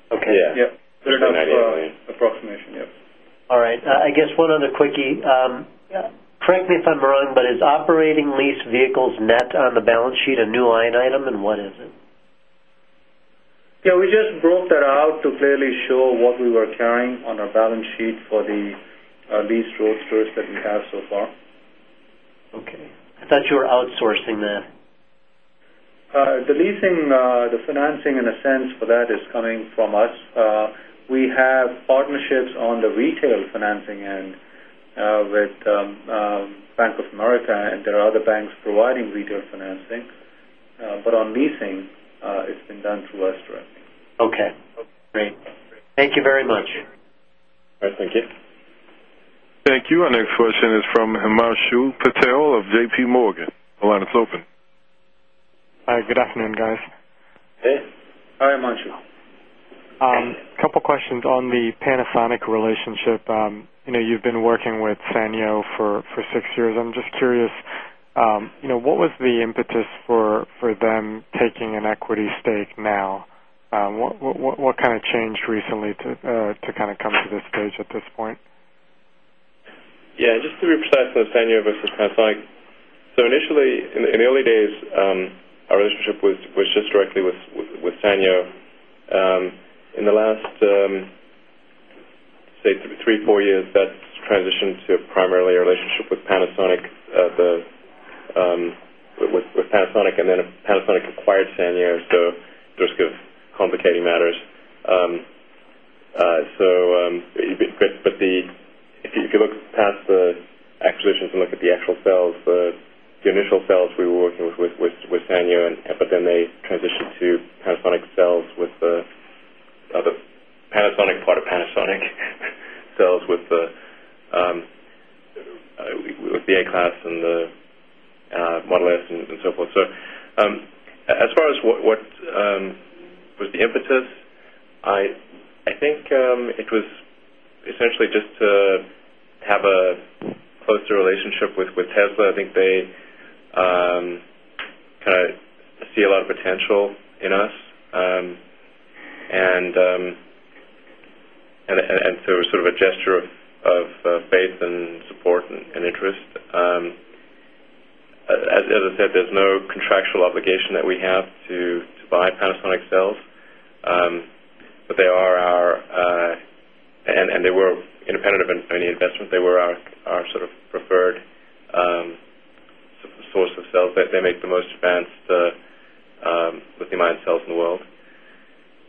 Okay. Yeah. Yeah. $98 million. Approximate, yes. All right. I guess one other quickie. Yeah. Correct me if I'm wrong, is operating lease vehicles net on the balance sheet a new line item, and what is it? Yeah, we just broke that out to clearly show what we were carrying on our balance sheet for the leased Roadsters that we have so far. Okay. I thought you were outsourcing that. The leasing, the financing in a sense for that is coming from us. We have partnerships on the retail financing end, with Bank of America. There are other banks providing retail financing. On leasing, it's been done through us directly. Okay. Great. Thank you very much. All right, thank you. Thank you. Our next question is from Himanshu Patel of JPMorgan. The line is open. Hi, good afternoon, guys. Hey. Hi, Himanshu. Couple questions on the Panasonic relationship. You know, you've been working with Sanyo for six years. I'm just curious, you know, what was the impetus for them taking an equity stake now? What kind of changed recently to kinda come to this stage at this point? Yeah, just to be precise on the Sanyo versus Panasonic. Initially, in the early days, our relationship was just directly with Sanyo. In the last, say three, four years, that's transitioned to primarily a relationship with Panasonic acquired Sanyo, just complicating matters. If you look past the acquisitions and look at the actual cells, the initial cells we were working with Sanyo, they transitioned to Panasonic cells with the A-class and the Model S and so forth. As far as what was the impetus, I think it was essentially just to have a closer relationship with Tesla. I think they kinda see a lot of potential in us. It was sort of a gesture of faith and support and interest. As I said, there's no contractual obligation that we have to buy Panasonic cells. They are our, and they were independent of any investment. They were our sort of preferred source of cells. They make the most advanced lithium-ion cells in the world.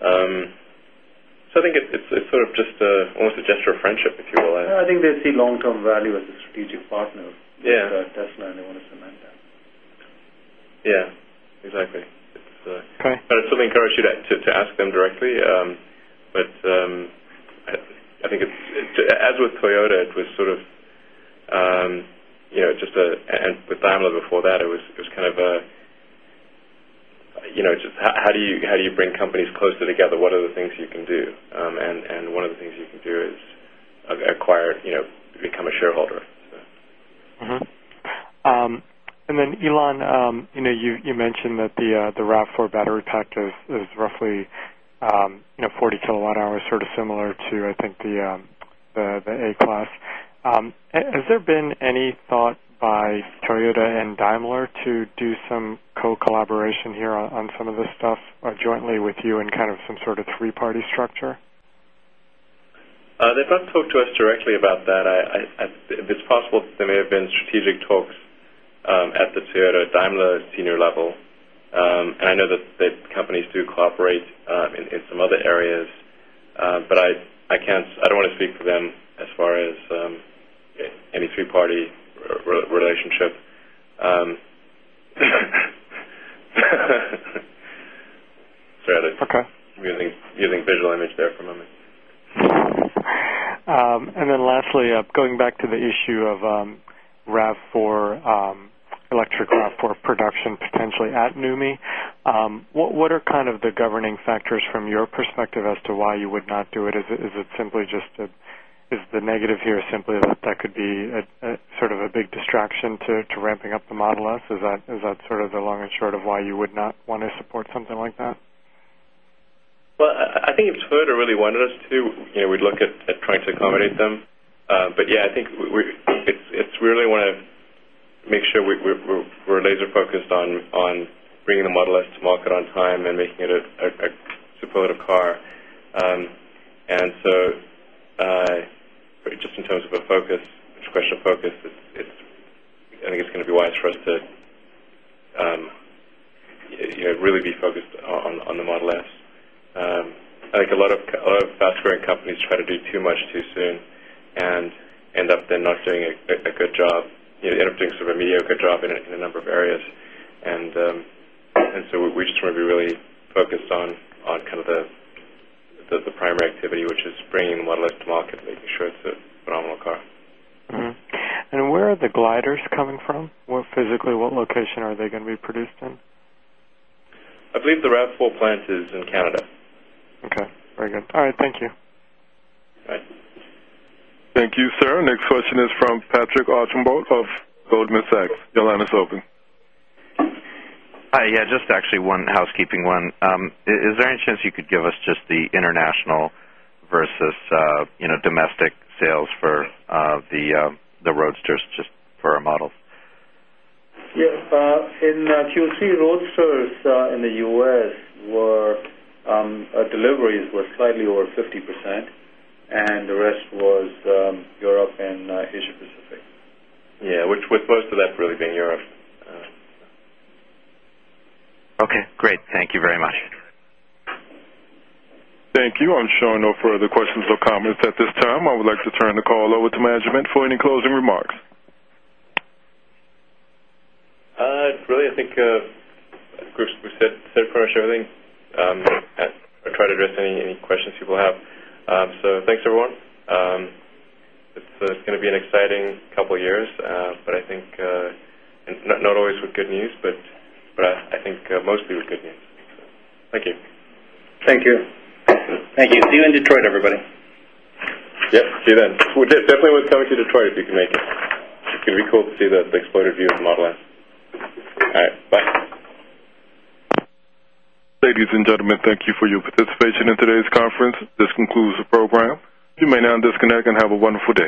I think it's sort of just almost a gesture of friendship, if you will. I think they see long-term value as a strategic partner. Yeah. With, Tesla, and they wanna cement that. Yeah, exactly. Okay. I still encourage you to ask them directly. I think it's, as with Toyota, it was sort of, you know, and with Daimler before that, it was kind of a, you know, just how do you bring companies closer together? What are the things you can do? One of the things you can do is acquire, you know, become a shareholder. Elon, you know, you mentioned that the RAV4 battery pack is roughly, you know, 40 kWh, sort of similar to, I think, the A-Class. Has there been any thought by Toyota and Daimler to do some co-collaboration here on some of this stuff, jointly with you in kind of some sort of three-party structure? They've not talked to us directly about that. I, it's possible there may have been strategic talks at the Toyota-Daimler senior level. I know that companies do cooperate in some other areas. I don't wanna speak for them as far as any three-party relationship. Okay. Using visual image there for a moment. Going back to the issue of RAV4, electric RAV4 production potentially at NUMMI, what are the governing factors from your perspective as to why you would not do it? Is the negative here simply that that could be a sort of a big distraction to ramping up the Model S? Is that sort of the long and short of why you would not wanna support something like that? Well, I think if Toyota really wanted us to, you know, we'd look at trying to accommodate them. Yeah, I think we, it's really want to make sure we're laser-focused on bringing the Model S to market on time and making it a superlative car. Just in terms of a focus, it's a question of focus. It's, I think it's going to be wise for us to, you know, really be focused on the Model S. I think a lot of fast-growing companies try to do too much too soon and end up then not doing a good job. You know, end up doing sort of a mediocre job in a number of areas. We just wanna be really focused on kind of the primary activity, which is bringing the Model S to market, making sure it's a phenomenal car. Where are the gliders coming from? What physically, what location are they gonna be produced in? I believe the RAV4 plant is in Canada. Okay, very good. All right, thank you. Bye. Thank you, sir. Next question is from Patrick Archambault of Goldman Sachs. Your line is open. Hi, yeah, just actually 1 housekeeping one. Is there any chance you could give us just the international versus, you know, domestic sales for the Roadsters, just per our models? Yeah, in Q3, Roadsters in the U.S. were deliveries were slightly over 50%, and the rest was Europe and Asia-Pacific. Yeah, which, with most of that really being Europe. Okay, great. Thank you very much. Thank you. I'm showing no further questions or comments at this time. I would like to turn the call over to management for any closing remarks. Really, I think, Chris, we said pretty much everything. I tried to address any questions people have. Thanks, everyone. This is gonna be an exciting couple years, but I think not always with good news, but I think mostly with good news. Thank you. Thank you. Thank you. See you in Detroit, everybody. Yep, see you then. We're definitely worth coming to Detroit if you can make it. It's gonna be cool to see the exploded view of the Model S. All right, bye. Ladies and gentlemen, thank you for your participation in today's conference. This concludes the program. You may now disconnect and have a wonderful day.